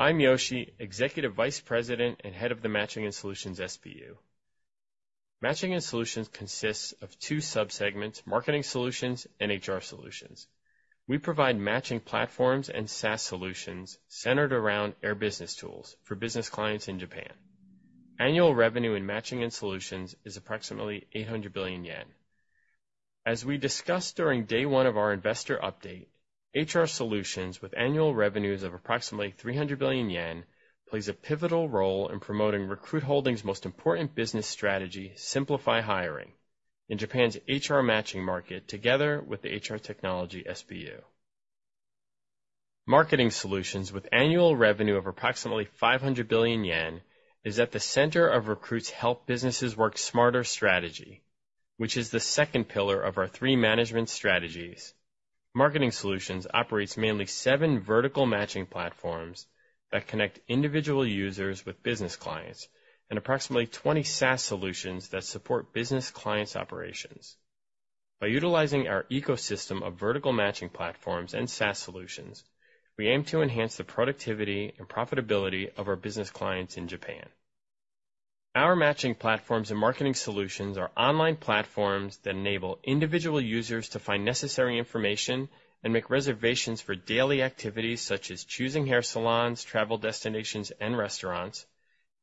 I'm Yoshi, Executive Vice President and Head of the Matching & Solutions SBU. Matching & Solutions consists of two sub-segments, Marketing Solutions and HR Solutions. We provide matching platforms and SaaS solutions centered around Air BusinessTools for business clients in Japan. Annual revenue in Matching & Solutions is approximately 800 billion yen. As we discussed during day one of our investor update, HR Solutions, with annual revenues of approximately 300 billion yen, plays a pivotal role in promoting Recruit Holdings' most important business strategy, Simplify Hiring, in Japan's HR matching market, together with the HR Technology SBU. Marketing Solutions, with annual revenue of approximately 500 billion yen, is at the center of Recruit's Help Businesses Work Smarter strategy, which is the second pillar of our three management strategies. Marketing Solutions operates mainly seven vertical matching platforms that connect individual users with business clients and approximately 20 SaaS solutions that support business clients' operations. By utilizing our ecosystem of vertical matching platforms and SaaS solutions, we aim to enhance the productivity and profitability of our business clients in Japan. Our matching platforms and Marketing Solutions are online platforms that enable individual users to find necessary information and make reservations for daily activities such as choosing hair salons, travel destinations, and restaurants,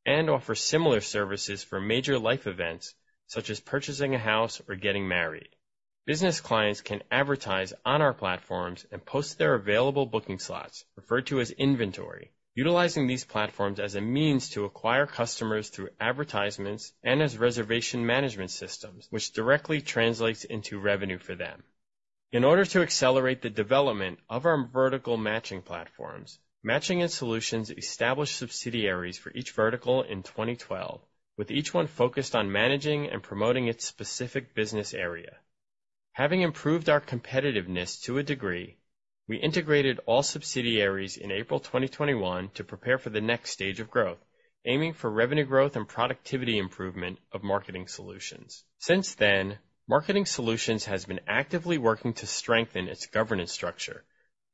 and offer similar services for major life events such as purchasing a house or getting married. Business clients can advertise on our platforms and post their available booking slots, referred to as inventory, utilizing these platforms as a means to acquire customers through advertisements and as reservation management systems, which directly translates into revenue for them. In order to accelerate the development of our vertical matching platforms, Matching & Solutions established subsidiaries for each vertical in 2012, with each one focused on managing and promoting its specific business area. Having improved our competitiveness to a degree, we integrated all subsidiaries in April 2021 to prepare for the next stage of growth, aiming for revenue growth and productivity improvement of Marketing Solutions. Since then, Marketing Solutions has been actively working to strengthen its governance structure,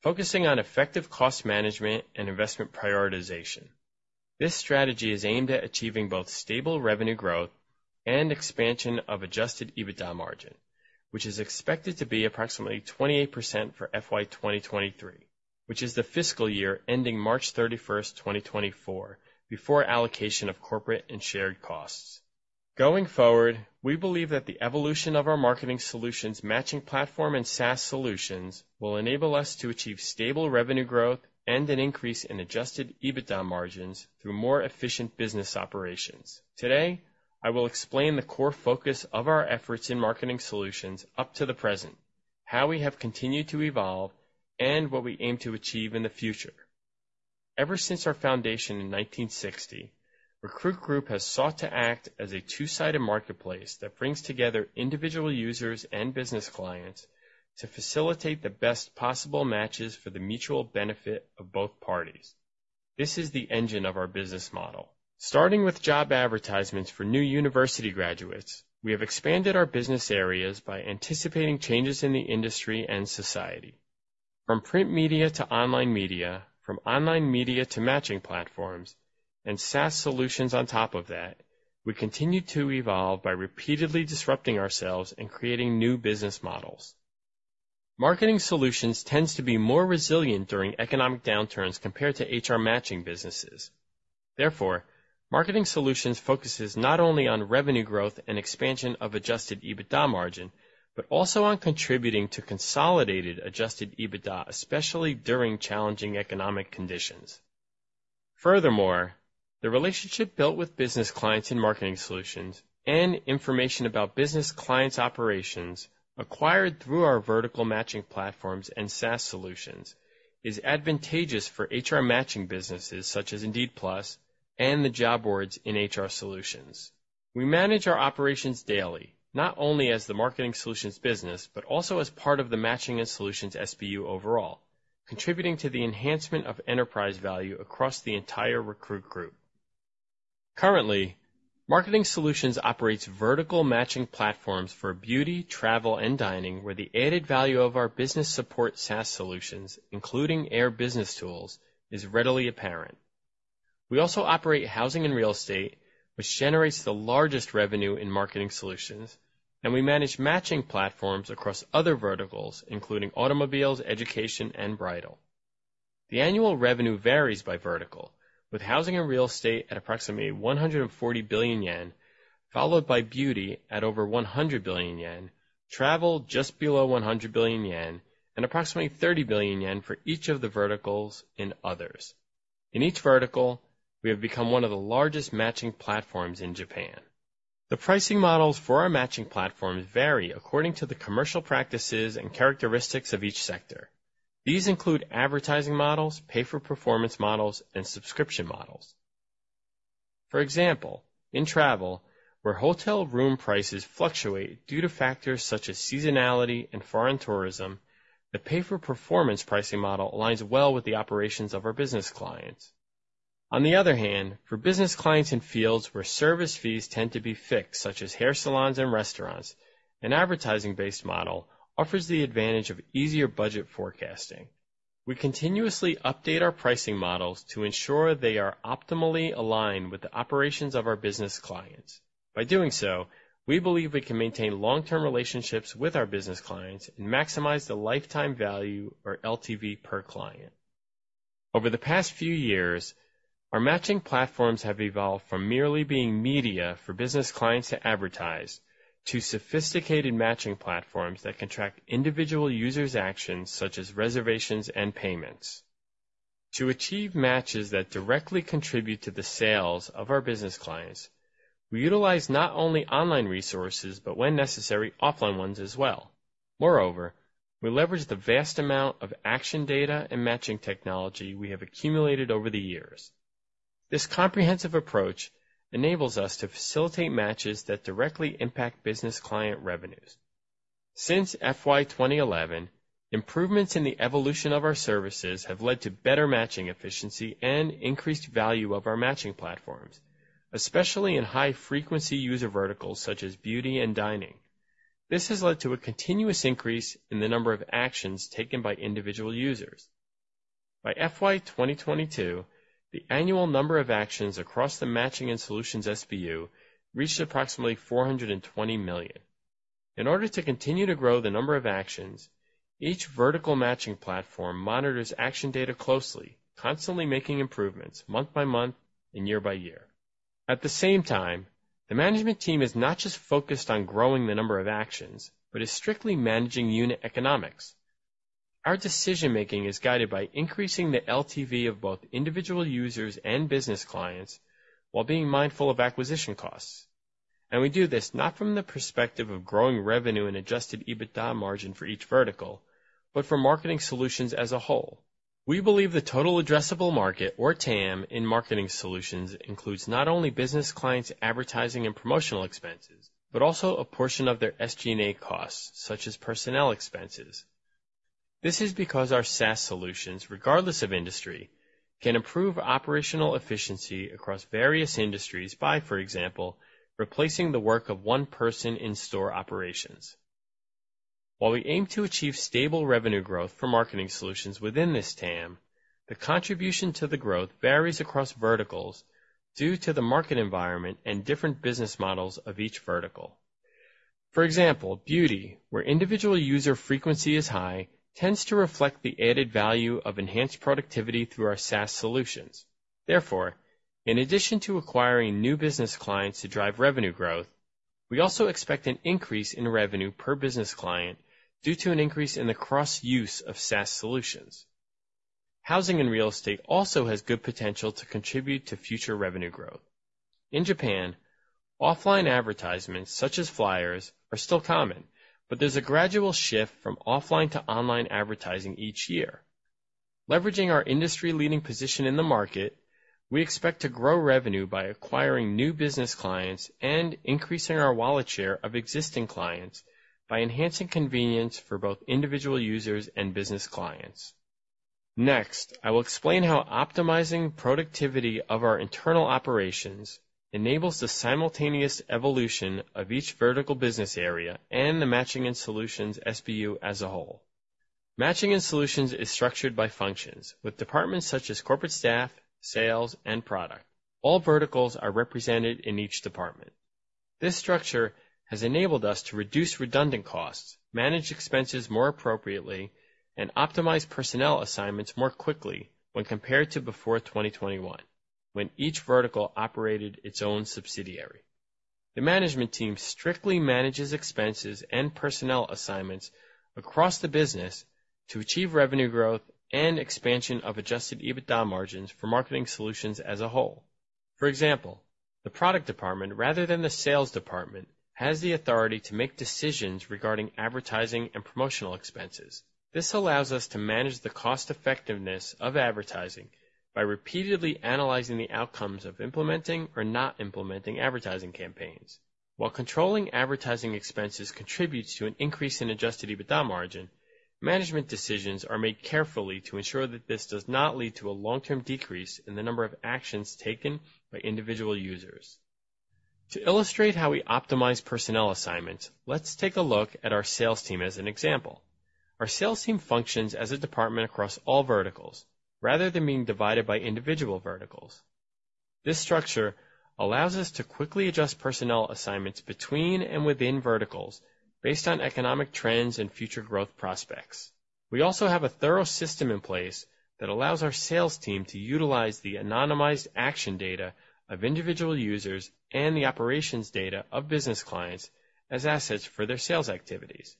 focusing on effective cost management and investment prioritization. This strategy is aimed at achieving both stable revenue growth and expansion of adjusted EBITDA margin, which is expected to be approximately 28% for FY 2023, which is the fiscal year ending March 31, 2024, before allocation of corporate and shared costs. Going forward, we believe that the evolution of our Marketing Solutions matching platform and SaaS solutions will enable us to achieve stable revenue growth and an increase in adjusted EBITDA margins through more efficient business operations. Today, I will explain the core focus of our efforts in Marketing Solutions up to the present, how we have continued to evolve, and what we aim to achieve in the future. Ever since our foundation in 1960, Recruit Group has sought to act as a two-sided marketplace that brings together individual users and business clients to facilitate the best possible matches for the mutual benefit of both parties. This is the engine of our business model. Starting with job advertisements for new university graduates, we have expanded our business areas by anticipating changes in the industry and society. From print media to online media, from online media to matching platforms and SaaS solutions on top of that, we continue to evolve by repeatedly disrupting ourselves and creating new business models. Marketing Solutions tends to be more resilient during economic downturns compared to HR matching businesses. Therefore, Marketing Solutions focuses not only on revenue growth and expansion of adjusted EBITDA margin, but also on contributing to consolidated adjusted EBITDA, especially during challenging economic conditions. Furthermore, the relationship built with business clients in Marketing Solutions and information about business clients' operations acquired through our vertical matching platforms and SaaS solutions is advantageous for HR matching businesses such as Indeed PLUS and the job boards in HR Solutions. We manage our operations daily, not only as the Marketing Solutions business, but also as part of the Matching & Solutions SBU overall, contributing to the enhancement of enterprise value across the entire Recruit Group. Currently, Marketing Solutions operates vertical matching platforms for beauty, travel, and dining, where the added value of our business support SaaS solutions, including Air BusinessTools, is readily apparent. We also operate housing and real estate, which generates the largest revenue in Marketing Solutions. We manage matching platforms across other verticals, including automobiles, education, and bridal. The annual revenue varies by vertical, with housing and real estate at approximately 140 billion yen, followed by beauty at over 100 billion yen, travel just below 100 billion yen, and approximately 30 billion yen for each of the verticals in others. In each vertical, we have become one of the largest matching platforms in Japan. The pricing models for our matching platforms vary according to the commercial practices and characteristics of each sector. These include advertising models, pay-for-performance models, and subscription models. For example, in travel, where hotel room prices fluctuate due to factors such as seasonality and foreign tourism, the pay-for-performance pricing model aligns well with the operations of our business clients. On the other hand, for business clients in fields where service fees tend to be fixed, such as hair salons and restaurants, an advertising-based model offers the advantage of easier budget forecasting. We continuously update our pricing models to ensure they are optimally aligned with the operations of our business clients. By doing so, we believe we can maintain long-term relationships with our business clients and maximize the lifetime value or LTV per client. Over the past few years, our matching platforms have evolved from merely being media for business clients to advertise to sophisticated matching platforms that can track individual users' actions such as reservations and payments. To achieve matches that directly contribute to the sales of our business clients, we utilize not only online resources, but when necessary, offline ones as well. Moreover, we leverage the vast amount of action data and matching technology we have accumulated over the years. This comprehensive approach enables us to facilitate matches that directly impact business client revenues. Since FY 2011, improvements in the evolution of our services have led to better matching efficiency and increased value of our matching platforms, especially in high-frequency user verticals such as beauty and dining. This has led to a continuous increase in the number of actions taken by individual users. By FY 2022, the annual number of actions across the Matching & Solutions SBU reached approximately 420 million. In order to continue to grow the number of actions, each vertical matching platform monitors action data closely, constantly making improvements month by month and year by year. At the same time, the management team is not just focused on growing the number of actions, but is strictly managing unit economics. Our decision-making is guided by increasing the LTV of both individual users and business clients while being mindful of acquisition costs. We do this not from the perspective of growing revenue and adjusted EBITDA margin for each vertical, but for Marketing Solutions as a whole. We believe the total addressable market or TAM in Marketing Solutions includes not only business clients' advertising and promotional expenses, but also a portion of their SG&A costs, such as personnel expenses. This is because our SaaS solutions, regardless of industry, can improve operational efficiency across various industries by, for example, replacing the work of one person in store operations. While we aim to achieve stable revenue growth for Marketing Solutions within this TAM, the contribution to the growth varies across verticals due to the market environment and different business models of each vertical. For example, beauty, where individual user frequency is high, tends to reflect the added value of enhanced productivity through our SaaS solutions. Therefore, in addition to acquiring new business clients to drive revenue growth, we also expect an increase in revenue per business client due to an increase in the cross-use of SaaS solutions. Housing and real estate also has good potential to contribute to future revenue growth. In Japan, offline advertisements such as flyers are still common, but there's a gradual shift from offline to online advertising each year. Leveraging our industry-leading position in the market, we expect to grow revenue by acquiring new business clients and increasing our wallet share of existing clients by enhancing convenience for both individual users and business clients. Next, I will explain how optimizing productivity of our internal operations enables the simultaneous evolution of each vertical business area and the Matching & Solutions SBU as a whole. Matching & Solutions is structured by functions with departments such as corporate staff, sales, and product. All verticals are represented in each department. This structure has enabled us to reduce redundant costs, manage expenses more appropriately, and optimize personnel assignments more quickly when compared to before 2021, when each vertical operated its own subsidiary. The management team strictly manages expenses and personnel assignments across the business to achieve revenue growth and expansion of adjusted EBITDA margins for Marketing Solutions as a whole. For example, the product department, rather than the sales department, has the authority to make decisions regarding advertising and promotional expenses. This allows us to manage the cost effectiveness of advertising by repeatedly analyzing the outcomes of implementing or not implementing advertising campaigns. While controlling advertising expenses contributes to an increase in adjusted EBITDA margin, management decisions are made carefully to ensure that this does not lead to a long-term decrease in the number of actions taken by individual users. To illustrate how we optimize personnel assignments, let's take a look at our sales team as an example. Our sales team functions as a department across all verticals rather than being divided by individual verticals. This structure allows us to quickly adjust personnel assignments between and within verticals based on economic trends and future growth prospects. We also have a thorough system in place that allows our sales team to utilize the anonymized action data of individual users and the operations data of business clients as assets for their sales activities.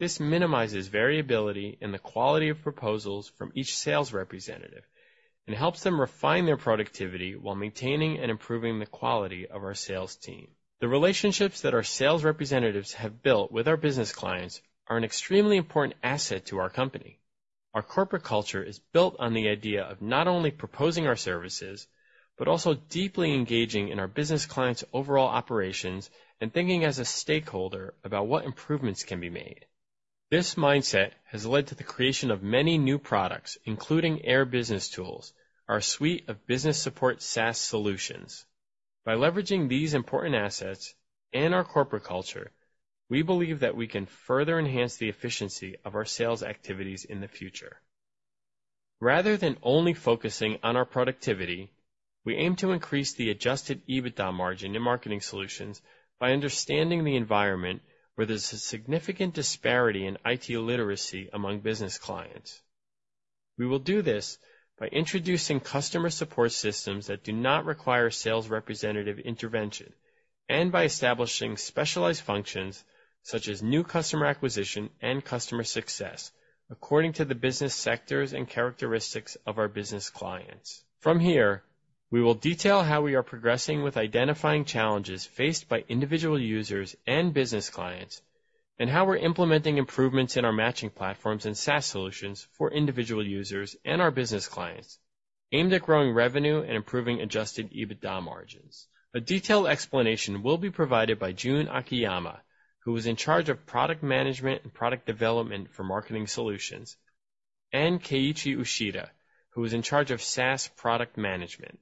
This minimizes variability in the quality of proposals from each sales representative and helps them refine their productivity while maintaining and improving the quality of our sales team. The relationships that our sales representatives have built with our business clients are an extremely important asset to our company. Our corporate culture is built on the idea of not only proposing our services, but also deeply engaging in our business clients' overall operations and thinking as a stakeholder about what improvements can be made. This mindset has led to the creation of many new products, including Air BusinessTools, our suite of business support SaaS solutions. By leveraging these important assets and our corporate culture, we believe that we can further enhance the efficiency of our sales activities in the future. Rather than only focusing on our productivity, we aim to increase the adjusted EBITDA margin in Marketing Solutions by understanding the environment where there's a significant disparity in IT literacy among business clients. We will do this by introducing customer support systems that do not require sales representative intervention and by establishing specialized functions such as new customer acquisition and customer success according to the business sectors and characteristics of our business clients. From here, we will detail how we are progressing with identifying challenges faced by individual users and business clients, and how we're implementing improvements in our matching platforms and SaaS solutions for individual users and our business clients aimed at growing revenue and improving adjusted EBITDA margins. A detailed explanation will be provided by Junichi Akiyama, who is in charge of product management and product development for Marketing Solutions, and Keiichi Ushida, who is in charge of SaaS product management.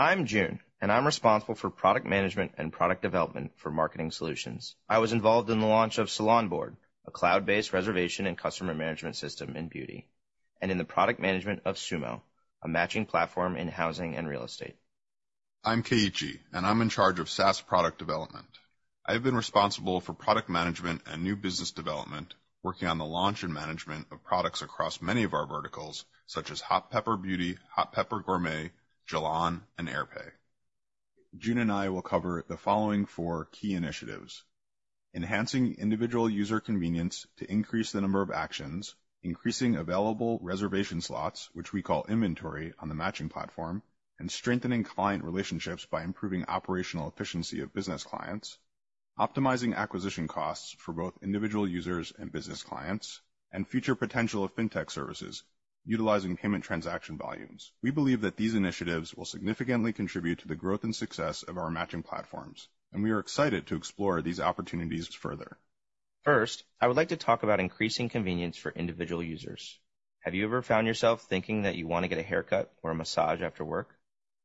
I'm Jun, and I'm responsible for product management and product development for Marketing Solutions. I was involved in the launch of Salon Board, a cloud-based reservation and customer management system in beauty, and in the product management of SUUMO, a matching platform in housing and real estate. I'm Keiichi, I'm in charge of SaaS product development. I have been responsible for product management and new business development, working on the launch and management of products across many of our verticals such as Hot Pepper Beauty, Hot Pepper Gourmet, Jalan, and AirPAY. Jun and I will cover the following four key initiatives: enhancing individual user convenience to increase the number of actions, increasing available reservation slots, which we call inventory on the matching platform, and strengthening client relationships by improving operational efficiency of business clients, optimizing acquisition costs for both individual users and business clients, and future potential of fintech services utilizing payment transaction volumes. We believe that these initiatives will significantly contribute to the growth and success of our matching platforms, we are excited to explore these opportunities further. First, I would like to talk about increasing convenience for individual users. Have you ever found yourself thinking that you want to get a haircut or a massage after work?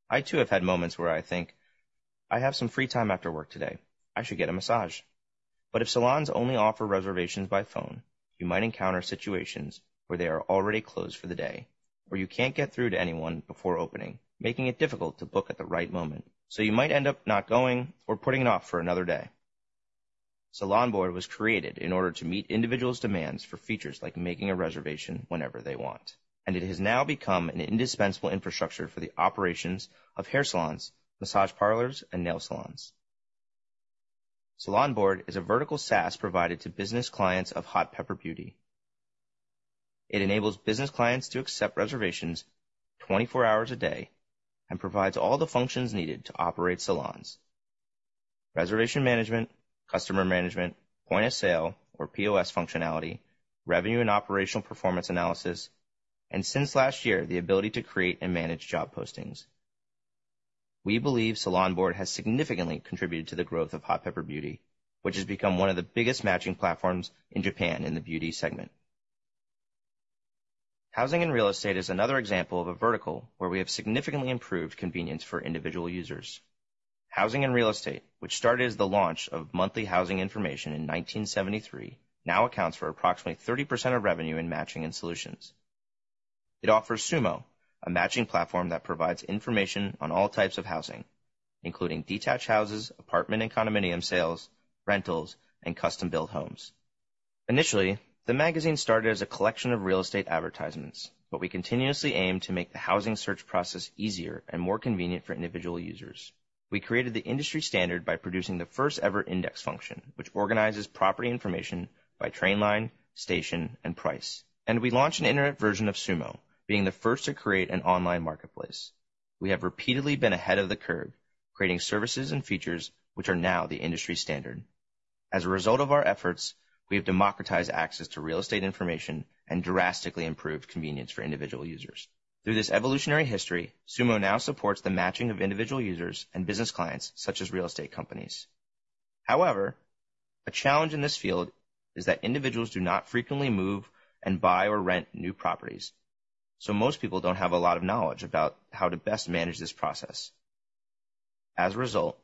I too have had moments where I think, "I have some free time after work today. I should get a massage." If salons only offer reservations by phone, you might encounter situations where they are already closed for the day, or you can't get through to anyone before opening, making it difficult to book at the right moment, so you might end up not going or putting it off for another day. Salon Board was created in order to meet individuals' demands for features like making a reservation whenever they want, and it has now become an indispensable infrastructure for the operations of hair salons, massage parlors, and nail salons. Salon Board is a vertical SaaS provided to business clients of Hot Pepper Beauty. It enables business clients to accept reservations 24 hours a day and provides all the functions needed to operate salons. Reservation management, customer management, point of sale or POS functionality, revenue and operational performance analysis, and since last year, the ability to create and manage job postings. We believe Salon Board has significantly contributed to the growth of Hot Pepper Beauty, which has become one of the biggest matching platforms in Japan in the beauty segment. Housing and real estate is another example of a vertical where we have significantly improved convenience for individual users. Housing and real estate, which started as the launch of monthly housing information in 1973, now accounts for approximately 30% of revenue in Matching & Solutions. It offers SUUMO, a matching platform that provides information on all types of housing, including detached houses, apartment and condominium sales, rentals, and custom-built homes. Initially, the magazine started as a collection of real estate advertisements, but we continuously aim to make the housing search process easier and more convenient for individual users. We created the industry standard by producing the first-ever index function, which organizes property information by train line, station, and price. We launched an internet version of SUUMO, being the first to create an online marketplace. We have repeatedly been ahead of the curve, creating services and features which are now the industry standard. As a result of our efforts, we have democratized access to real estate information and drastically improved convenience for individual users. Through this evolutionary history, SUUMO now supports the matching of individual users and business clients such as real estate companies. However, a challenge in this field is that individuals do not frequently move and buy or rent new properties, so most people don't have a lot of knowledge about how to best manage this process. As a result,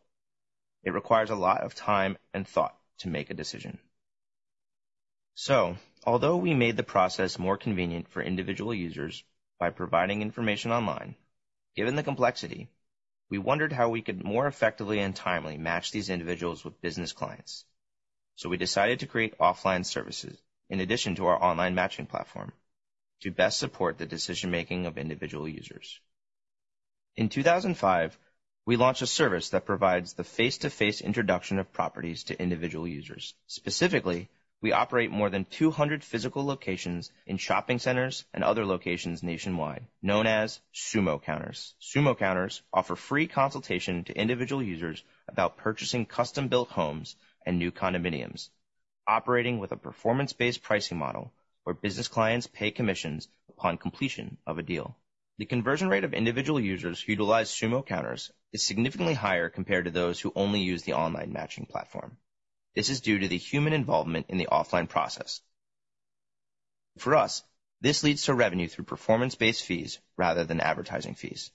it requires a lot of time and thought to make a decision. Although we made the process more convenient for individual users by providing information online, given the complexity, we wondered how we could more effectively and timely match these individuals with business clients. We decided to create offline services in addition to our online matching platform to best support the decision-making of individual users. In 2005, we launched a service that provides the face-to-face introduction of properties to individual users. Specifically, we operate more than 200 physical locations in shopping centers and other locations nationwide known as SUUMO Counter. SUUMO Counter offer free consultation to individual users about purchasing custom-built homes and new condominiums. Operating with a performance-based pricing model where business clients pay commissions upon completion of a deal. The conversion rate of individual users who utilize SUUMO Counters is significantly higher compared to those who only use the online matching platform. This is due to the human involvement in the offline process. For us, this leads to revenue through performance-based fees rather than advertising fees.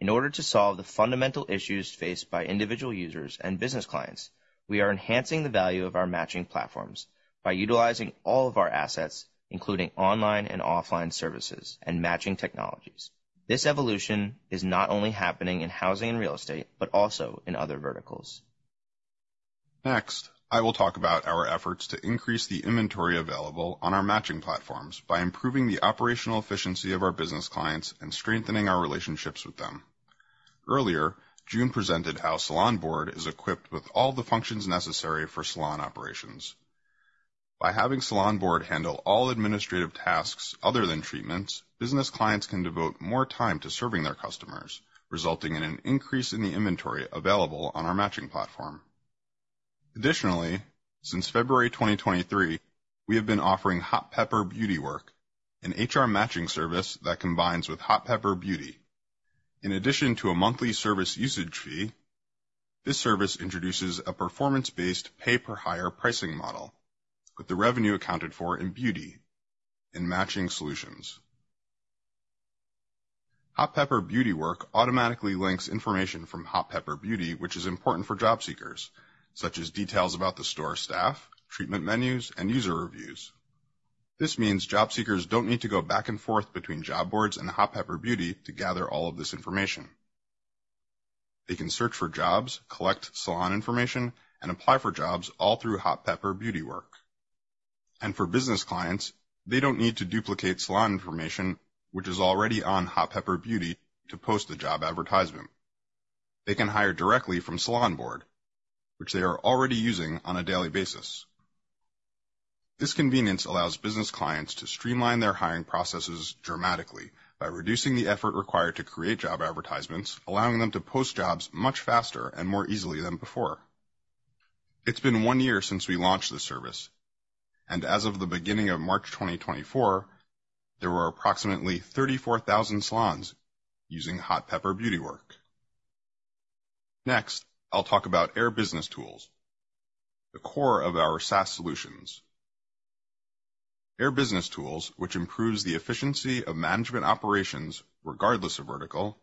In order to solve the fundamental issues faced by individual users and business clients, we are enhancing the value of our matching platforms by utilizing all of our assets, including online and offline services and matching technologies. This evolution is not only happening in housing and real estate, but also in other verticals. I will talk about our efforts to increase the inventory available on our matching platforms by improving the operational efficiency of our business clients and strengthening our relationships with them. Earlier, Jun presented how Salon Board is equipped with all the functions necessary for salon operations. By having Salon Board handle all administrative tasks other than treatments, business clients can devote more time to serving their customers, resulting in an increase in the inventory available on our matching platform. Additionally, since February 2023, we have been offering Hot Pepper Beauty Work, an HR matching service that combines with Hot Pepper Beauty. In addition to a monthly service usage fee, this service introduces a performance-based pay-per-hire pricing model with the revenue accounted for in beauty and matching solutions. Hot Pepper Beauty Work automatically links information from Hot Pepper Beauty, which is important for job seekers, such as details about the store staff, treatment menus, and user reviews. This means job seekers don't need to go back and forth between job boards and Hot Pepper Beauty to gather all of this information. They can search for jobs, collect salon information, and apply for jobs all through Hot Pepper Beauty Work. For business clients, they don't need to duplicate salon information, which is already on Hot Pepper Beauty to post the job advertisement. They can hire directly from Salon Board, which they are already using on a daily basis. This convenience allows business clients to streamline their hiring processes dramatically by reducing the effort required to create job advertisements, allowing them to post jobs much faster and more easily than before. It's been one year since we launched this service. As of the beginning of March 2024, there were approximately 34,000 salons using Hot Pepper Beauty Work. Next, I'll talk about Air BusinessTools, the core of our SaaS solutions. Air BusinessTools, which improves the efficiency of management operations regardless of vertical,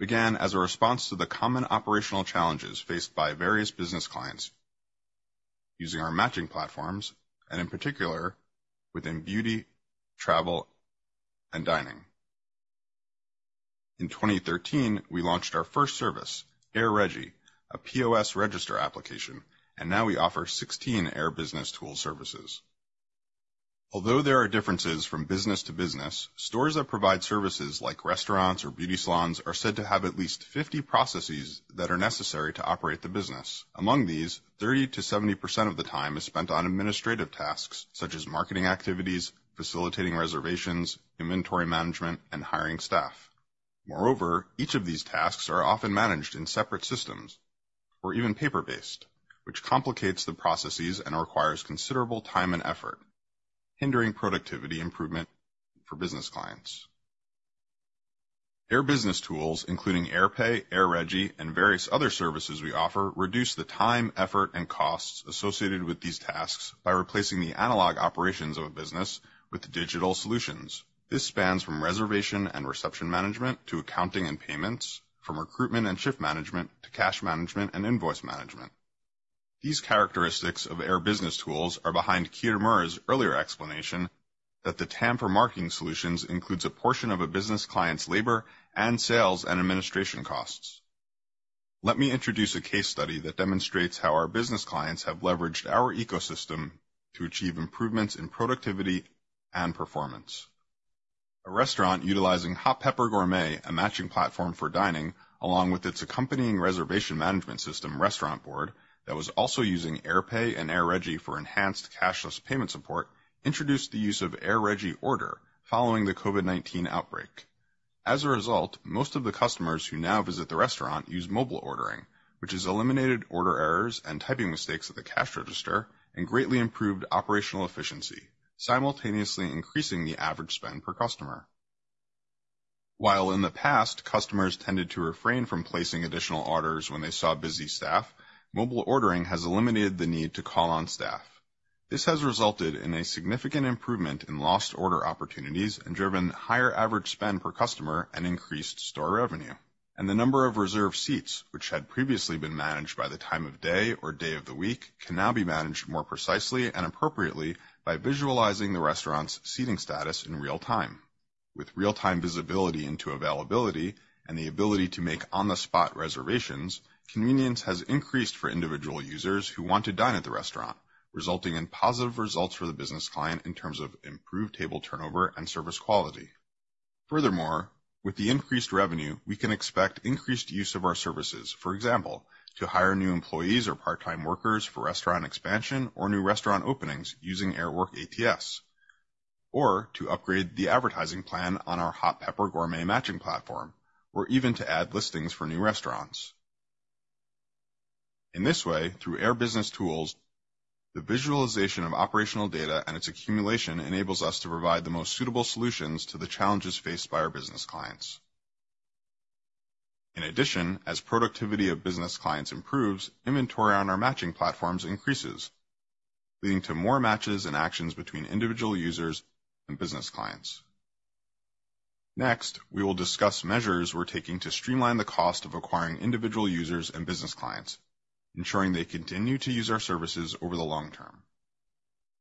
began as a response to the common operational challenges faced by various business clients using our matching platforms, and in particular within beauty, travel, and dining. In 2013, we launched our first service, AirREGI, a POS register application, and now we offer 16 Air BusinessTools services. Although there are differences from business to business, stores that provide services like restaurants or beauty salons are said to have at least 50 processes that are necessary to operate the business. Among these, 30%-70% of the time is spent on administrative tasks such as marketing activities, facilitating reservations, inventory management, and hiring staff. Moreover, each of these tasks are often managed in separate systems or even paper-based, which complicates the processes and requires considerable time and effort, hindering productivity improvement for business clients. Air BusinessTools, including AirPAY, AirREGI, and various other services we offer, reduce the time, effort, and costs associated with these tasks by replacing the analog operations of a business with digital solutions. This spans from reservation and reception management to accounting and payments, from recruitment and shift management to cash management and invoice management. These characteristics of Air BusinessTools are behind Kitamura's earlier explanation that the Matching & Solutions includes a portion of a business client's labor and sales and administration costs. Let me introduce a case study that demonstrates how our business clients have leveraged our ecosystem to achieve improvements in productivity and performance. A restaurant utilizing Hot Pepper Gourmet, a matching platform for dining, along with its accompanying reservation management system, Restaurant Board, that was also using AirPAY and AirREGI for enhanced cashless payment support, introduced the use of AirREGI Order following the COVID-19 outbreak. As a result, most of the customers who now visit the restaurant use mobile ordering, which has eliminated order errors and typing mistakes at the cash register and greatly improved operational efficiency, simultaneously increasing the average spend per customer. While in the past, customers tended to refrain from placing additional orders when they saw busy staff, mobile ordering has eliminated the need to call on staff. This has resulted in a significant improvement in lost order opportunities and driven higher average spend per customer and increased store revenue. The number of reserved seats, which had previously been managed by the time of day or day of the week, can now be managed more precisely and appropriately by visualizing the restaurant's seating status in real time. With real-time visibility into availability and the ability to make on-the-spot reservations, convenience has increased for individual users who want to dine at the restaurant, resulting in positive results for the business client in terms of improved table turnover and service quality. Furthermore, with the increased revenue, we can expect increased use of our services. For example, to hire new employees or part-time workers for restaurant expansion or new restaurant openings using AirWORK ATS. To upgrade the advertising plan on our Hot Pepper Gourmet matching platform, or even to add listings for new restaurants. In this way, through Air BusinessTools, the visualization of operational data and its accumulation enables us to provide the most suitable solutions to the challenges faced by our business clients. In addition, as productivity of business clients improves, inventory on our matching platforms increases, leading to more matches and actions between individual users and business clients. We will discuss measures we're taking to streamline the cost of acquiring individual users and business clients, ensuring they continue to use our services over the long term.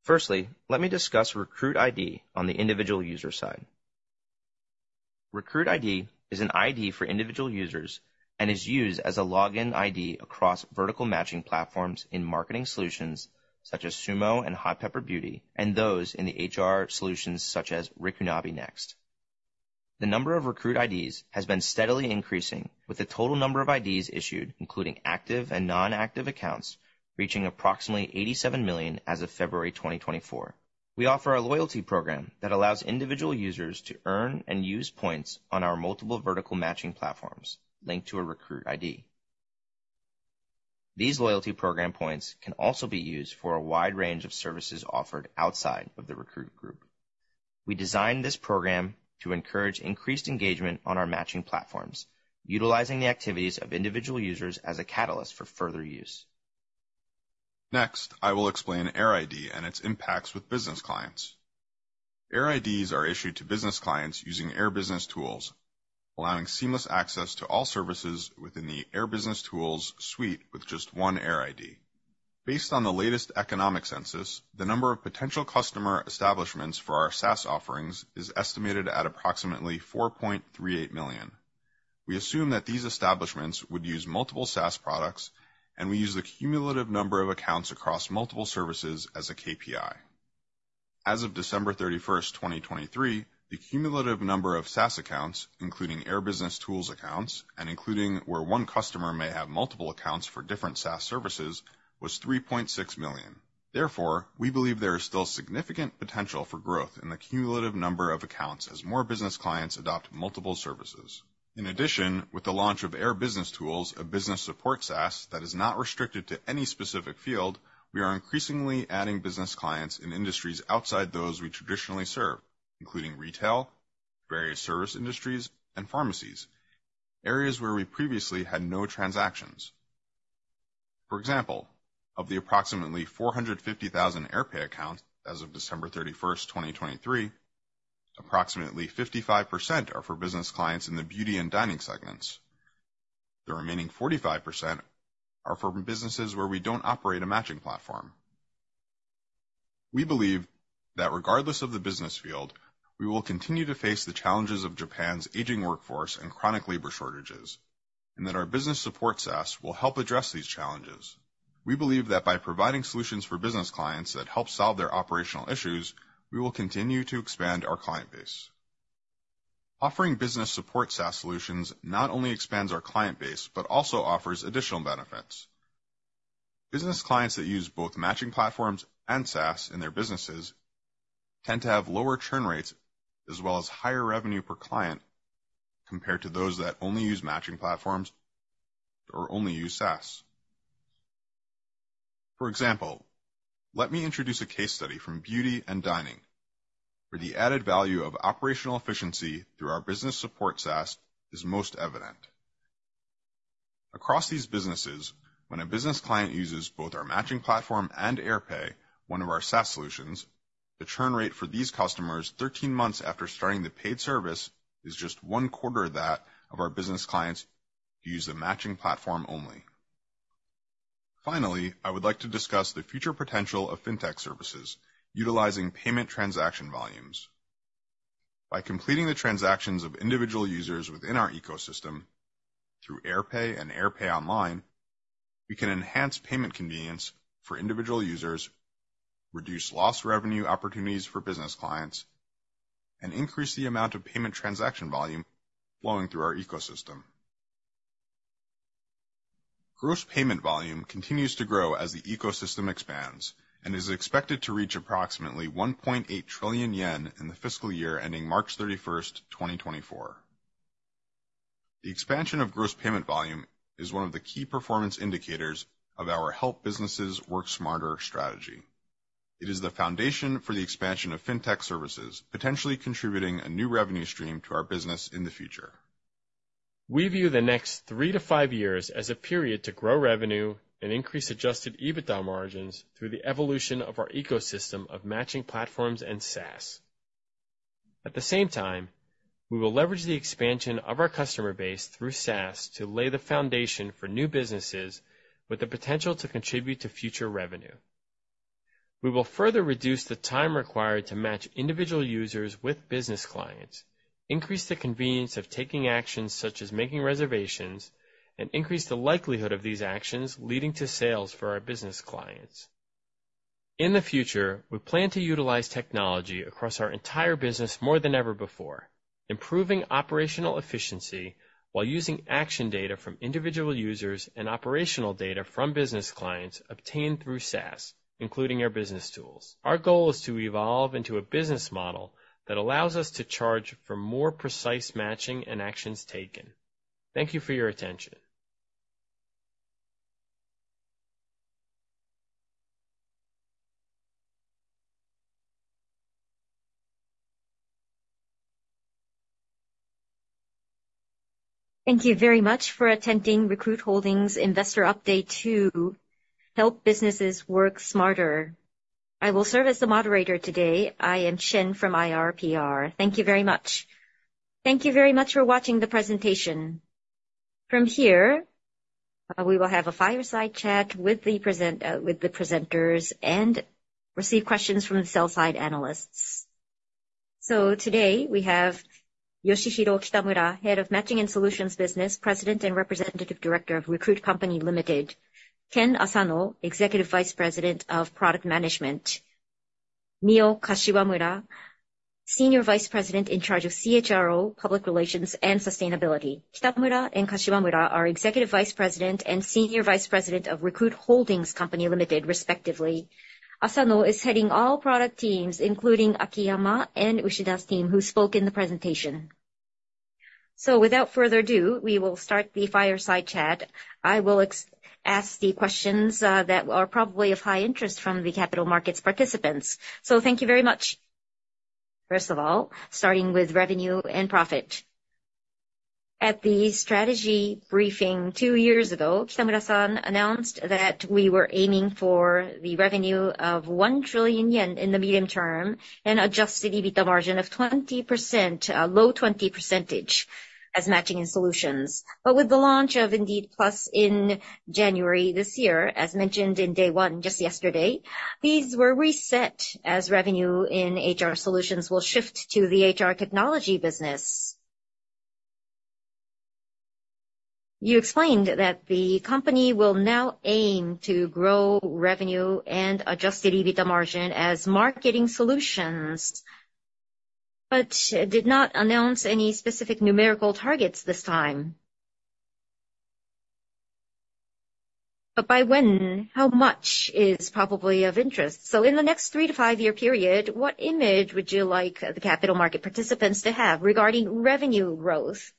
Firstly, let me discuss Recruit ID on the individual user side. Recruit ID is an ID for individual users and is used as a login ID across vertical matching platforms in Marketing Solutions such as SUUMO and Hot Pepper Beauty, and those in the HR Solutions such as Rikunabi NEXT. The number of Recruit IDs has been steadily increasing, with the total number of IDs issued, including active and non-active accounts, reaching approximately 87 million as of February 2024. We offer a loyalty program that allows individual users to earn and use points on our multiple vertical matching platforms linked to a Recruit ID. These loyalty program points can also be used for a wide range of services offered outside of the Recruit Group. We designed this program to encourage increased engagement on our matching platforms, utilizing the activities of individual users as a catalyst for further use. Next, I will explain AirID and its impacts with business clients. AirIDs are issued to business clients using Air BusinessTools, allowing seamless access to all services within the Air BusinessTools suite with just one AirID. Based on the latest economic census, the number of potential customer establishments for our SaaS offerings is estimated at approximately 4.38 million. We assume that these establishments would use multiple SaaS products, and we use the cumulative number of accounts across multiple services as a KPI. As of December 31st, 2023, the cumulative number of SaaS accounts, including Air BusinessTools accounts and including where one customer may have multiple accounts for different SaaS services, was 3.6 million. Therefore, we believe there is still significant potential for growth in the cumulative number of accounts as more business clients adopt multiple services. In addition, with the launch of Air BusinessTools, a business support SaaS that is not restricted to any specific field, we are increasingly adding business clients in industries outside those we traditionally serve, including retail, various service industries, and pharmacies, areas where we previously had no transactions. For example, of the approximately 450,000 AirPAY accounts as of December 31st, 2023, approximately 55% are for business clients in the beauty and dining segments. The remaining 45% are from businesses where we don't operate a matching platform. We believe that regardless of the business field, we will continue to face the challenges of Japan's aging workforce and chronic labor shortages, and that our business support SaaS will help address these challenges. We believe that by providing solutions for business clients that help solve their operational issues, we will continue to expand our client base. Offering business support SaaS solutions not only expands our client base, but also offers additional benefits. Business clients that use both matching platforms and SaaS in their businesses tend to have lower churn rates as well as higher revenue per client compared to those that only use matching platforms or only use SaaS. For example, let me introduce a case study from Beauty and Dining, where the added value of operational efficiency through our business support SaaS is most evident. Across these businesses, when a business client uses both our matching platform and AirPAY, one of our SaaS solutions, the churn rate for these customers 13 months after starting the paid service is just one quarter that of our business clients who use the matching platform only. I would like to discuss the future potential of Fintech services utilizing payment transaction volumes. By completing the transactions of individual users within our ecosystem through AirPAY and AirPAY ONLINE, we can enhance payment convenience for individual users, reduce lost revenue opportunities for business clients, and increase the amount of payment transaction volume flowing through our ecosystem. Gross payment volume continues to grow as the ecosystem expands and is expected to reach approximately 1.8 trillion yen in the fiscal year ending March 31, 2024. The expansion of gross payment volume is one of the key performance indicators of our Help Businesses Work Smarter strategy. It is the foundation for the expansion of Fintech services, potentially contributing a new revenue stream to our business in the future. We view the next three to five years as a period to grow revenue and increase adjusted EBITDA margins through the evolution of our ecosystem of matching platforms and SaaS. At the same time, we will leverage the expansion of our customer base through SaaS to lay the foundation for new businesses with the potential to contribute to future revenue. We will further reduce the time required to match individual users with business clients, increase the convenience of taking actions such as making reservations, and increase the likelihood of these actions leading to sales for our business clients. In the future, we plan to utilize technology across our entire business more than ever before. Improving operational efficiency while using action data from individual users and operational data from business clients obtained through SaaS, including our business tools. Our goal is to evolve into a business model that allows us to charge for more precise matching and actions taken. Thank you for your attention. Thank you very much for attending Recruit Holdings Investor Update to Help Businesses Work Smarter. I will serve as the moderator today. I am Shin from IRPR. Thank you very much. Thank you very much for watching the presentation. From here, we will have a fireside chat with the presenters and receive questions from the sell-side analysts. Today, we have Yoshihiro Kitamura, Head of Matching & Solutions Business, President and Representative Director of Recruit Co., Ltd. Ken Asano, Executive Vice President of Product Management. Mio Kashiwamura, Senior Vice President in charge of CHRO, Public Relations and Sustainability. Kitamura and Kashiwamura are Executive Vice President and Senior Vice President of Recruit Holdings Co., Ltd., respectively. Asano is heading all product teams, including Akiyama and Ushida's team, who spoke in the presentation. Without further ado, we will start the fireside chat. I will ask the questions that are probably of high interest from the capital markets participants. Thank you very much. First of all, starting with revenue and profit. At the strategy briefing two years ago, Kitamura-san announced that we were aiming for the revenue of 1 trillion yen in the medium term and adjusted EBITDA margin of 20%, low 20% as Matching & Solutions. With the launch of Indeed PLUS in January this year, as mentioned in day one, just yesterday, these were reset as revenue in HR Solutions will shift to the HR technology business. You explained that the company will now aim to grow revenue and adjusted EBITDA margin as Marketing Solutions, did not announce any specific numerical targets this time. By when, how much is probably of interest. In the next three to five-year period, what image would you like the capital market participants to have regarding revenue growth?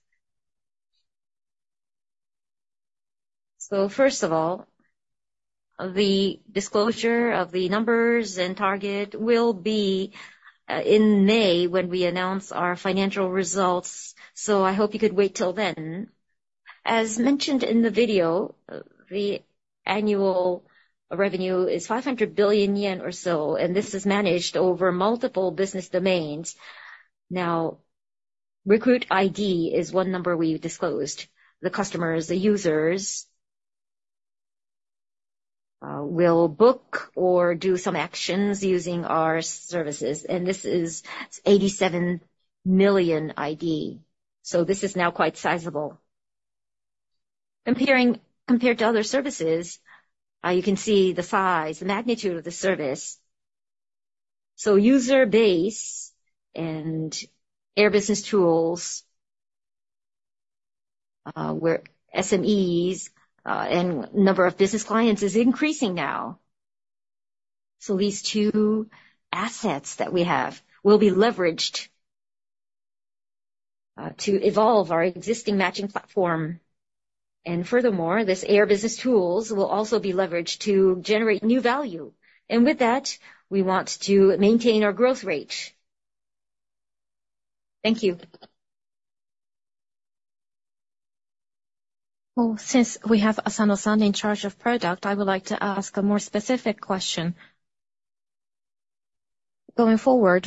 First of all, the disclosure of the numbers and target will be in May when we announce our financial results, so I hope you could wait till then. As mentioned in the video, the annual revenue is 500 billion yen or so, and this is managed over multiple business domains. Recruit ID is one number we've disclosed. The customers, the users, will book or do some actions using our services, and this is 87 million ID. This is now quite sizable. Compared to other services, you can see the size, the magnitude of the service. User base and Air BusinessTools, where SMEs and number of business clients is increasing now. These two assets that we have will be leveraged to evolve our existing matching platform. Furthermore, this Air BusinessTools will also be leveraged to generate new value. With that, we want to maintain our growth rate. Thank you. Since we have Asano-san in charge of product, I would like to ask a more specific question. Going forward,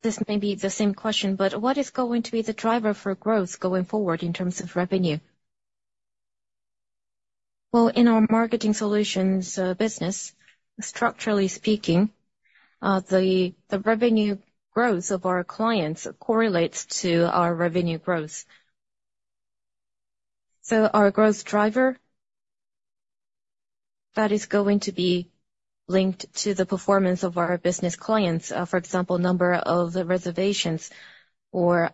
this may be the same question, what is going to be the driver for growth going forward in terms of revenue? In our Marketing Solutions business, structurally speaking, the revenue growth of our clients correlates to our revenue growth. Our growth driver, that is going to be linked to the performance of our business clients. For example, number of the reservations or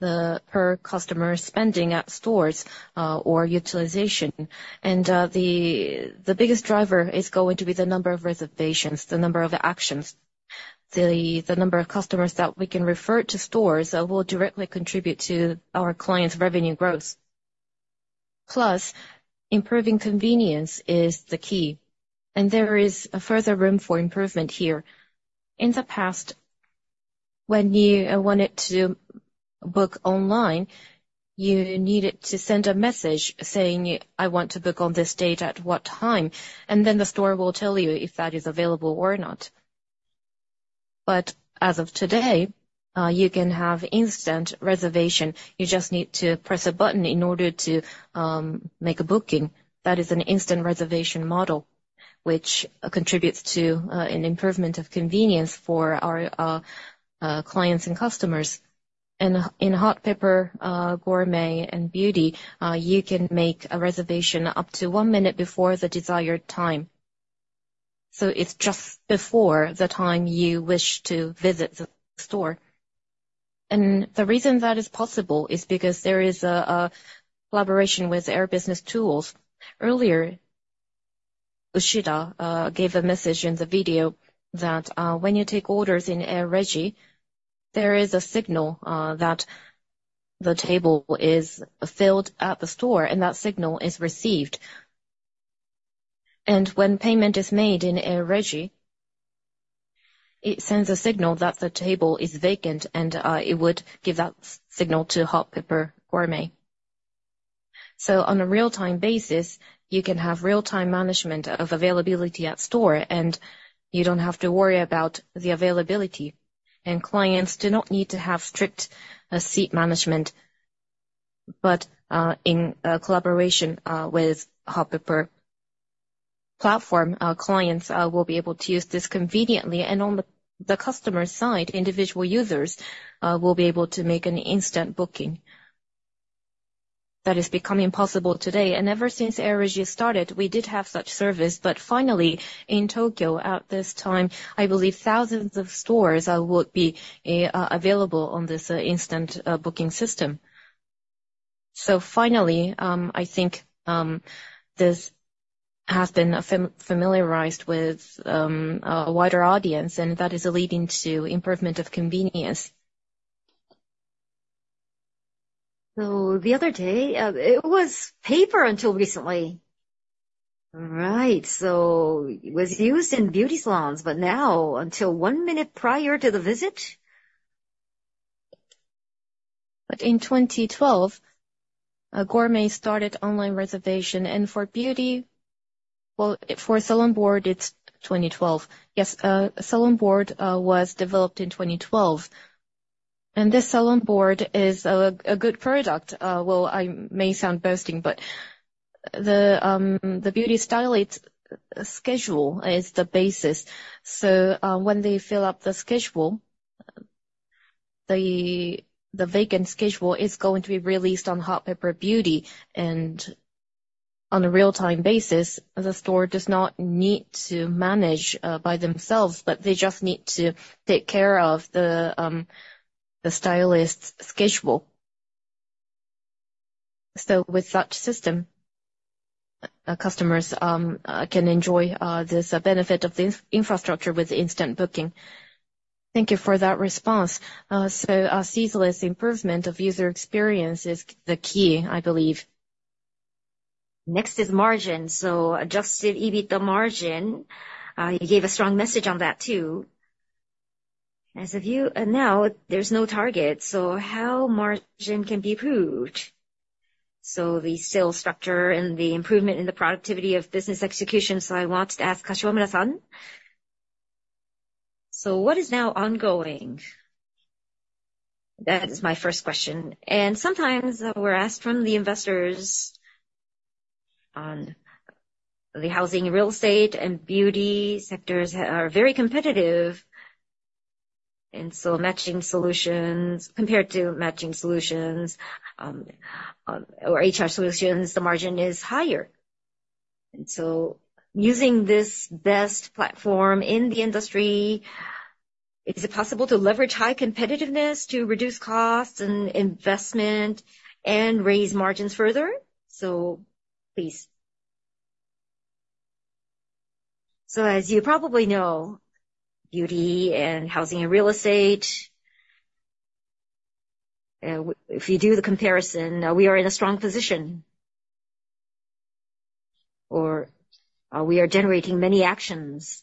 the per customer spending at stores or utilization. The biggest driver is going to be the number of reservations, the number of actions. The number of customers that we can refer to stores will directly contribute to our clients' revenue growth. Improving convenience is the key, and there is a further room for improvement here. In the past, when you wanted to book online, you needed to send a message saying, "I want to book on this date at what time," and then the store will tell you if that is available or not. As of today, you can have instant reservation. You just need to press a button in order to make a booking. That is an instant reservation model, which contributes to an improvement of convenience for our clients and customers. In Hot Pepper Gourmet and Beauty, you can make a reservation up to one minute before the desired time. It's just before the time you wish to visit the store. The reason that is possible is because there is a collaboration with Air BusinessTools. Earlier, Ushida gave a message in the video that when you take orders in AirREGI, there is a signal that the table is filled at the store, and that signal is received. When payment is made in AirREGI, it sends a signal that the table is vacant, and it would give that signal to Hot Pepper Gourmet. On a real-time basis, you can have real-time management of availability at store, and you don't have to worry about the availability. Clients do not need to have strict seat management. In collaboration with Hot Pepper platform, clients will be able to use this conveniently. On the customer's side, individual users will be able to make an instant booking. That is becoming possible today. Ever since AirREGI started, we did have such service. Finally, in Tokyo at this time, I believe thousands of stores would be available on this instant booking system. Finally, I think this has been familiarized with a wider audience, and that is leading to improvement of convenience. The other day, it was paper until recently. Right. It was used in beauty salons, but now until one minute prior to the visit? In 2012, Gourmet started online reservation. For beauty... Well, for Salon Board, it's 2012. Yes, Salon Board was developed in 2012. This Salon Board is a good product. Well, I may sound boasting, but the beauty stylist schedule is the basis. When they fill up the schedule, the vacant schedule is going to be released on Hot Pepper Beauty. On a real-time basis, the store does not need to manage by themselves, but they just need to take care of the stylist's schedule. With that system, customers can enjoy this benefit of the infrastructure with instant booking. Thank you for that response. Ceaseless improvement of user experience is the key, I believe. Next is margin. Adjusted EBITDA margin, you gave a strong message on that too. Now, there's no target, how margin can be improved? The sales structure and the improvement in the productivity of business execution. I want to ask Kashiwamura-san. What is now ongoing? That is my first question. Sometimes we're asked from the investors on the housing and real estate and beauty sectors are very competitive. Compared to Matching & Solutions, or HR Solutions, the margin is higher. Using this best platform in the industry, is it possible to leverage high competitiveness to reduce costs and investment and raise margins further? Please. As you probably know, beauty and housing and real estate, if you do the comparison, we are in a strong position. We are generating many actions.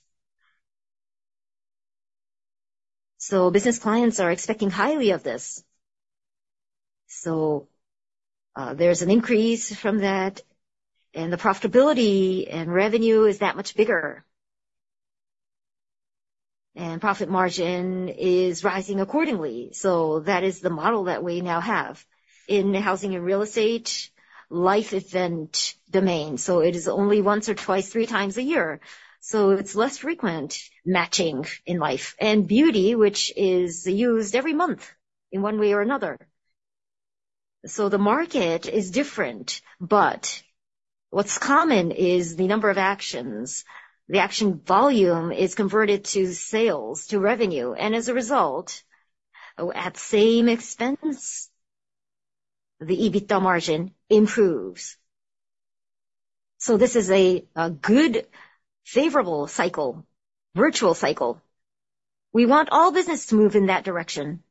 Business clients are expecting highly of this. There's an increase from that, and the profitability and revenue is that much bigger. Profit margin is rising accordingly. That is the model that we now have. In housing and real estate, life event domain. It is only once or twice, three times a year. It's less frequent matching in life. Beauty, which is used every month in one way or another. The market is different, but what's common is the number of actions. The action volume is converted to sales, to revenue. As a result, at same expense, the EBITDA margin improves. This is a good favorable cycle, virtual cycle. We want all business to move in that direction.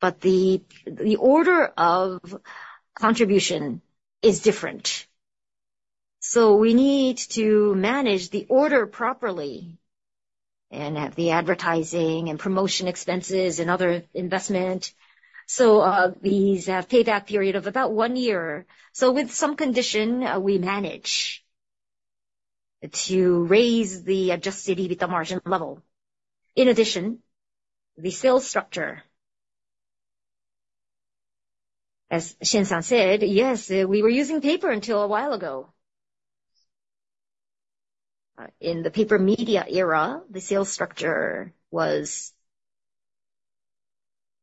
The order of contribution is different. We need to manage the order properly and have the advertising and promotion expenses and other investment. These have payback period of about 1 year. With some condition, we manage to raise the adjusted EBITDA margin level. In addition, the sales structure. As Shin-san said, yes, we were using paper until a while ago. In the paper media era,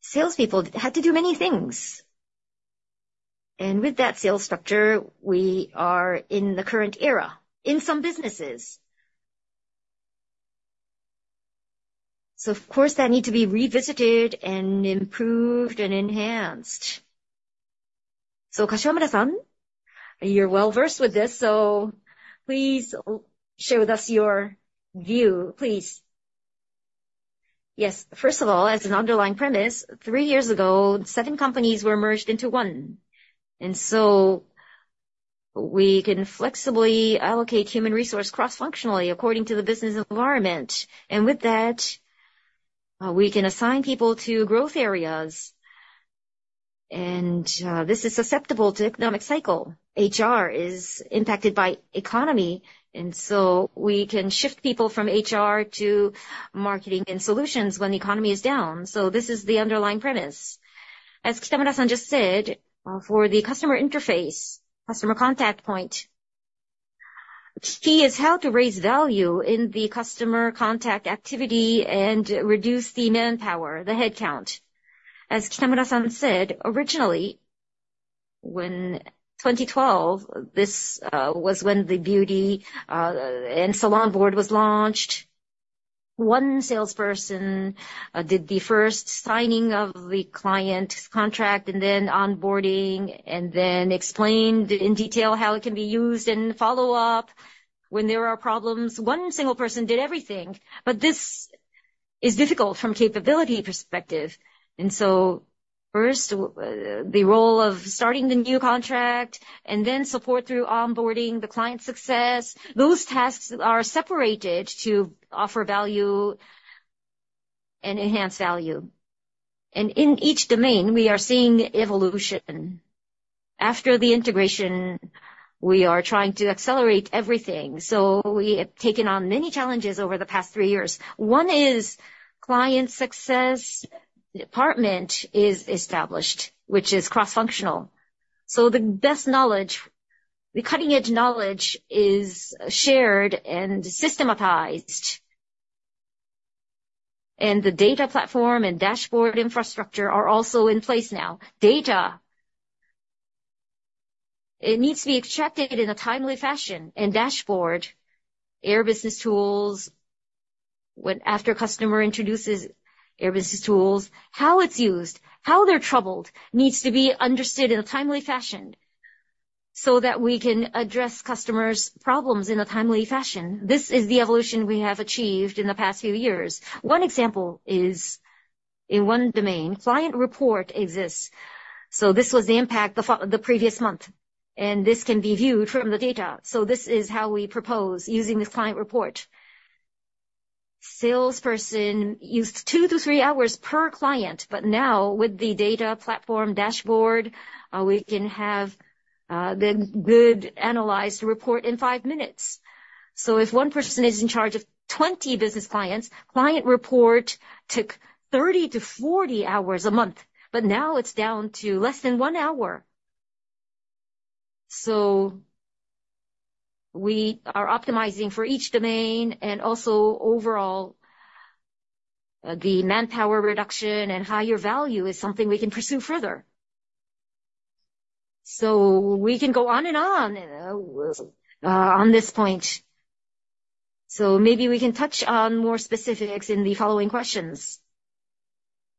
Salespeople had to do many things. With that sales structure, we are in the current era in some businesses. Of course, that need to be revisited and improved and enhanced. Kashiwamura-san, you're well-versed with this, so please share with us your view, please. Yes. First of all, as an underlying premise, three years ago, seven companies were merged into one. We can flexibly allocate human resource cross-functionally according to the business environment. With that, we can assign people to growth areas. This is susceptible to economic cycle. HR is impacted by economy, we can shift people from HR to Marketing Solutions when the economy is down. This is the underlying premise. As Kitamura-san just said, for the customer interface, customer contact point, key is how to raise value in the customer contact activity and reduce the manpower, the headcount. As Kitamura-san said, originally, when 2012, this was when the beauty and Salon Board was launched, one salesperson did the first signing of the client contract and then onboarding, and then explained in detail how it can be used and follow up when there are problems. One single person did everything, but this is difficult from capability perspective. First, the role of starting the new contract and then support through onboarding, the client success, those tasks are separated to offer value and enhance value. In each domain, we are seeing evolution. After the integration, we are trying to accelerate everything. We have taken on many challenges over the past three years. One is client success department is established, which is cross-functional. The best knowledge, the cutting-edge knowledge is shared and systematized. The data platform and dashboard infrastructure are also in place now. Data, it needs to be extracted in a timely fashion. Dashboard, Air BusinessTools, when after customer introduces Air BusinessTools, how it's used, how they're troubled, needs to be understood in a timely fashion so that we can address customers' problems in a timely fashion. This is the evolution we have achieved in the past few years. One example is in one domain, client report exists. This was the impact the previous month, and this can be viewed from the data. This is how we propose using the client report. Salesperson used two to three hours per client, but now with the data platform dashboard, we can have the good analyzed report in five minutes. If one person is in charge of 20 business clients, client report took 30-40 hours a month, but now it's down to less than one hour. We are optimizing for each domain and also overall, the manpower reduction and higher value is something we can pursue further. We can go on and on on this point. Maybe we can touch on more specifics in the following questions.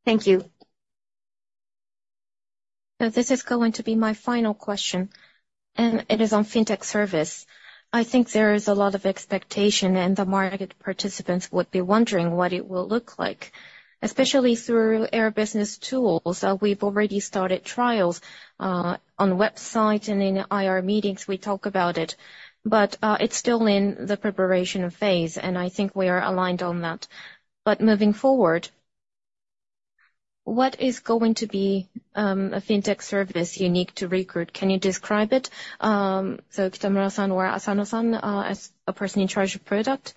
Thank you. This is going to be my final question, and it is on fintech service. I think there is a lot of expectation, and the market participants would be wondering what it will look like, especially through Air BusinessTools. We've already started trials on website and in IR meetings, we talk about it's still in the preparation phase, and I think we are aligned on that. Moving forward, what is going to be a fintech service unique to Recruit? Can you describe it? Kitamura-san or Asano-san, as a person in charge of product?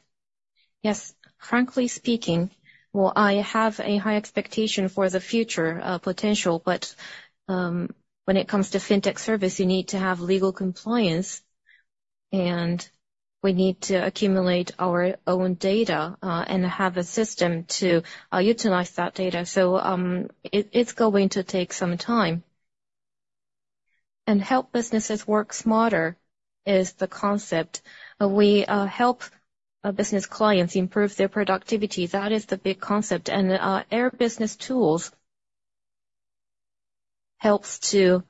Yes. Frankly speaking, well, I have a high expectation for the future potential, when it comes to fintech service, you need to have legal compliance, and we need to accumulate our own data and have a system to utilize that data. It's going to take some time. Help Businesses Work Smarter is the concept. We help business clients improve their productivity. That is the big concept. Air BusinessTools helps to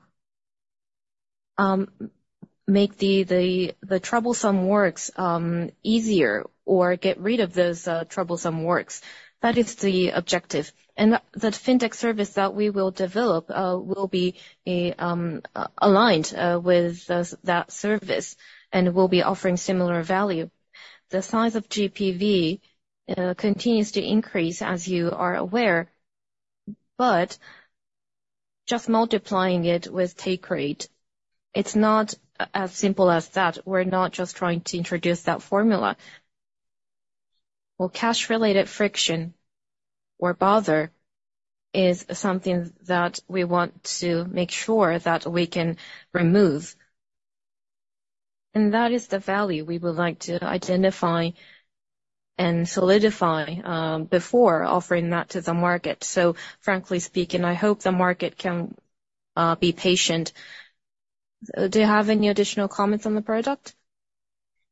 make the troublesome works easier or get rid of those troublesome works. That is the objective. That fintech service that we will develop will be aligned with those, that service and will be offering similar value. The size of GPV continues to increase, as you are aware, but just multiplying it with take rate, it's not as simple as that. We're not just trying to introduce that formula. Well, cash-related friction or bother is something that we want to make sure that we can remove. That is the value we would like to identify and solidify before offering that to the market. Frankly speaking, I hope the market can be patient. Do you have any additional comments on the product?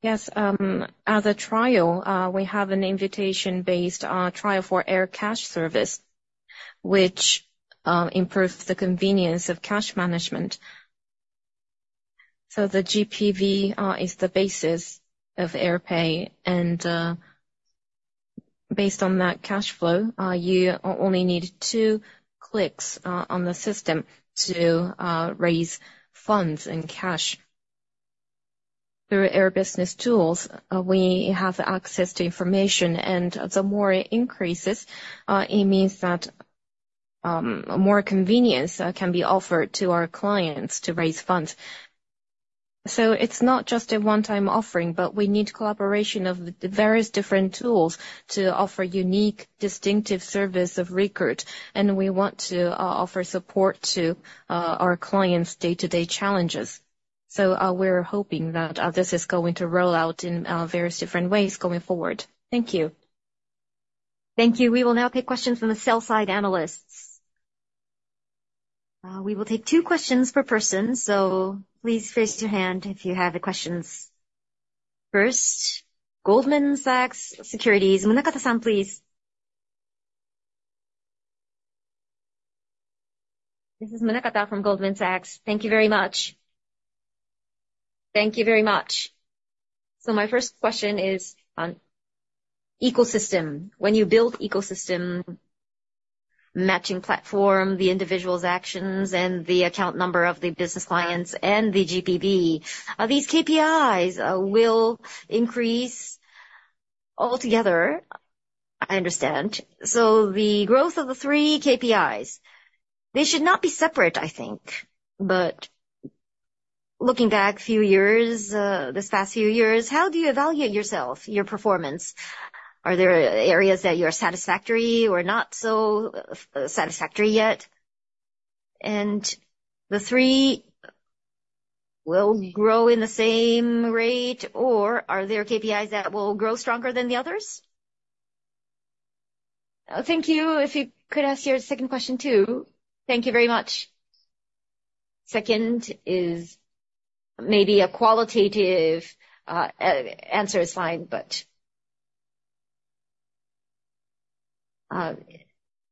Yes. As a trial, we have an invitation-based trial for AirCASH service, which improves the convenience of cash management. The GPV is the basis of AirPAY, and based on that cash flow, you only need two clicks on the system to raise funds and cash. Through Air BusinessTools, we have access to information, and the more it increases, it means that more convenience can be offered to our clients to raise funds. It's not just a one-time offering, but we need collaboration of the various different tools to offer unique, distinctive service of Recruit, and we want to offer support to our clients' day-to-day challenges. We're hoping that this is going to roll out in various different ways going forward. Thank you. Thank you. We will now take questions from the sell-side analysts. We will take two questions per person, so please raise your hand if you have the questions. First, Goldman Sachs Securities Munakata-san, please. This is Munakata from Goldman Sachs. Thank you very much. Thank you very much. My first question is on ecosystem. When you build ecosystem matching platform, the individual's actions and the account number of the business clients and the GPV, these KPIs will increase altogether, I understand. The growth of the three KPIs, they should not be separate, I think. Looking back few years, these past few years, how do you evaluate yourself, your performance? Are there areas that you are satisfactory or not so satisfactory yet? The three will grow in the same rate, or are there KPIs that will grow stronger than the others? Thank you. If you could ask your second question too. Thank you very much. Second is maybe a qualitative answer is fine, but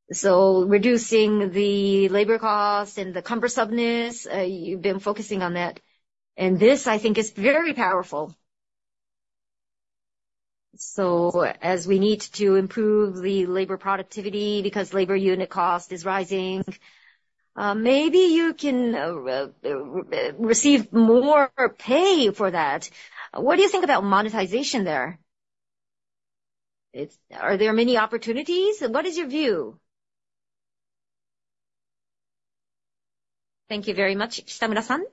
reducing the labor costs and the cumbersomeness, you've been focusing on that, and this, I think, is very powerful. As we need to improve the labor productivity because labor unit cost is rising, maybe you can re-receive more pay for that. What do you think about monetization there? Are there many opportunities? What is your view? Thank you very much, Kitamura-san.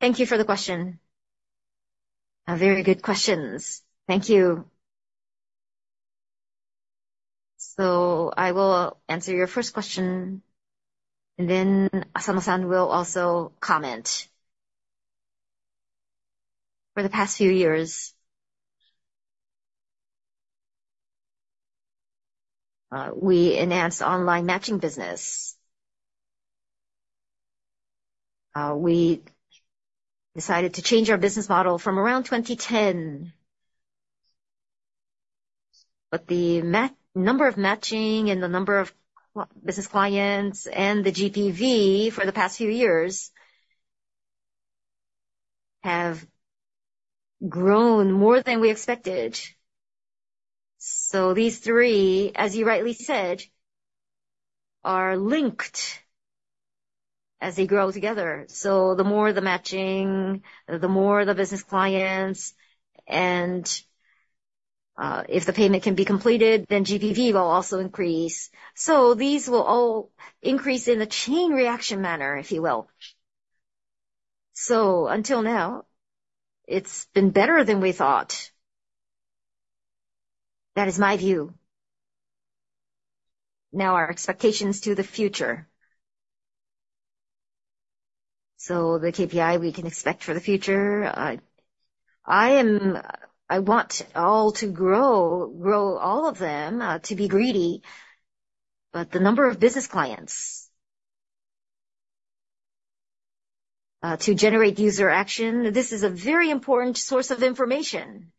Thank you for the question. Very good questions. Thank you. I will answer your first question, and then Asano-san will also comment. For the past few years, we enhanced online matching business. We decided to change our business model from around 2010. The number of matching and the number of business clients and the GPV for the past few years have grown more than we expected. These three, as you rightly said, are linked as they grow together. The more the matching, the more the business clients, and if the payment can be completed, then GPV will also increase. These will all increase in a chain reaction manner, if you will. Until now, it's been better than we thought. That is my view. Now our expectations to the future. The KPI we can expect for the future, I want all to grow all of them, to be greedy. The number of business clients, to generate user action, this is a very important source of information,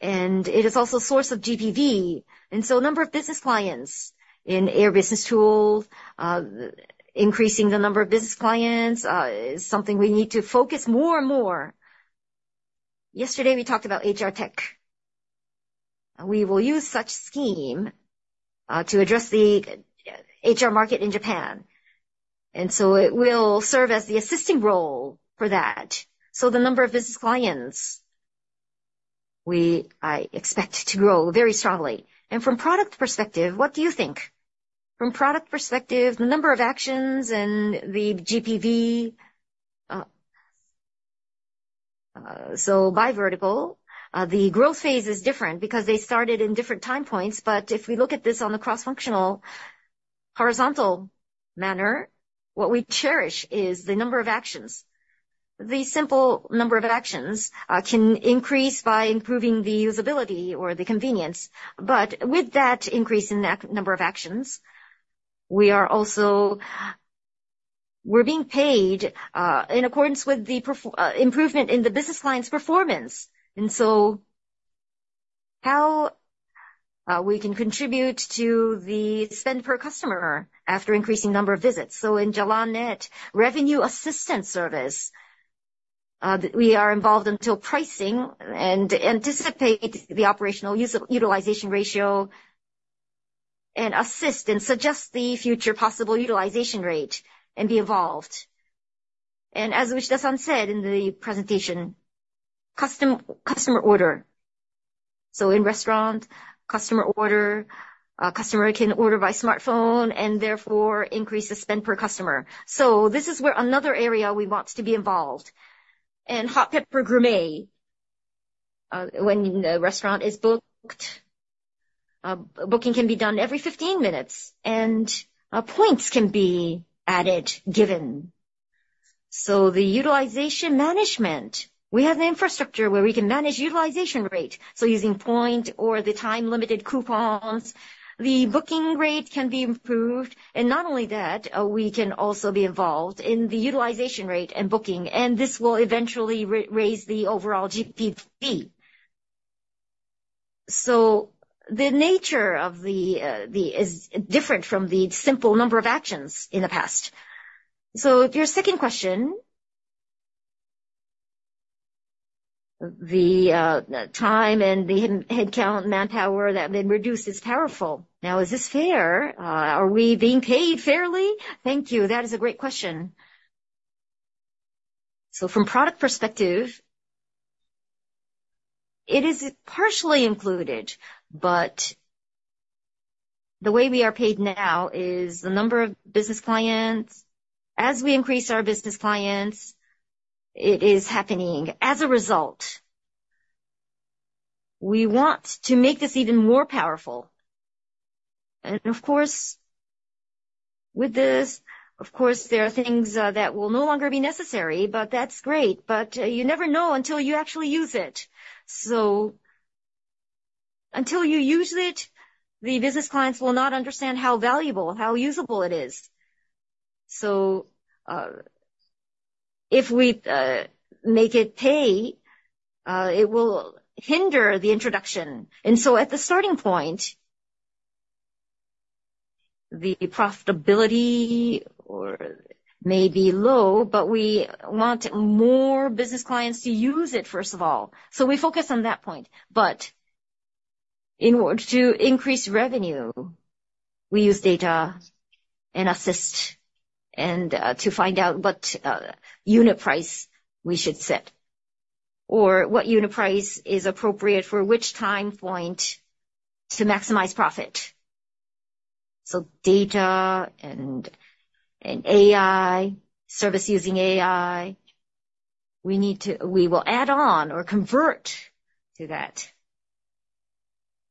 and it is also a source of GPV. Number of business clients in Air BusinessTools, increasing the number of business clients, is something we need to focus more and more. Yesterday, we talked about HR Tech. We will use such scheme to address the HR market in Japan, it will serve as the assisting role for that. The number of business clients I expect to grow very strongly. From product perspective, what do you think? From product perspective, the number of actions and the GPV, by vertical, the growth phase is different because they started in different time points. If we look at this on the horizontal manner, what we cherish is the number of actions. The simple number of actions can increase by improving the usability or the convenience. With that increase in number of actions, we're being paid in accordance with the improvement in the business client's performance, how we can contribute to the spend per customer after increasing number of visits. In Jalan net revenue assistance service, we are involved until pricing and anticipate the operational utilization ratio and assist and suggest the future possible utilization rate and be involved. As Hisayuki Idekoba said in the presentation, customer order. In restaurant, customer order, a customer can order by smartphone and therefore increase the spend per customer. This is where another area we want to be involved. In Hot Pepper Gourmet, when the restaurant is booked, booking can be done every 15 minutes and points can be added, given. The utilization management, we have the infrastructure where we can manage utilization rate. Using point or the time-limited coupons, the booking rate can be improved. Not only that, we can also be involved in the utilization rate and booking, and this will eventually raise the overall GDP. The nature of the... is different from the simple number of actions in the past. Your second question. The time and the head count manpower that been reduced is powerful. Now, is this fair? Are we being paid fairly? Thank you. That is a great question. From product perspective, it is partially included, but the way we are paid now is the number of business clients. As we increase our business clients, it is happening as a result. We want to make this even more powerful. Of course, with this, of course, there are things that will no longer be necessary, but that's great. You never know until you actually use it. Until you use it, the business clients will not understand how valuable, how usable it is. If we make it pay, it will hinder the introduction. At the starting point, the profitability or may be low, but we want more business clients to use it, first of all, so we focus on that point. In order to increase revenue, we use data and assist and to find out what unit price we should set or what unit price is appropriate for which time point to maximize profit. Data and AI, service using AI. We will add on or convert to that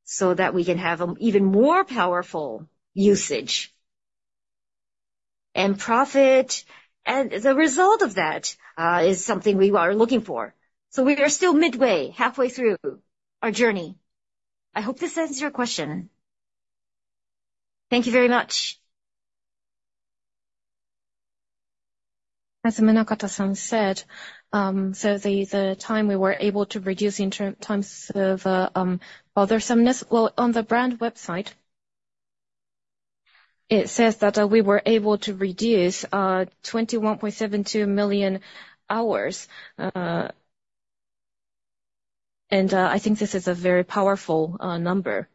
so that we can have an even more powerful usage and profit. The result of that is something we are looking for. We are still midway, halfway through our journey. I hope this answers your question. Thank you very much. Munakata-san said, so the time we were able to reduce in term times of, well, there's some Well, on the brand website, it says that, we were able to reduce, 21.72 million hours. I think this is a very powerful number.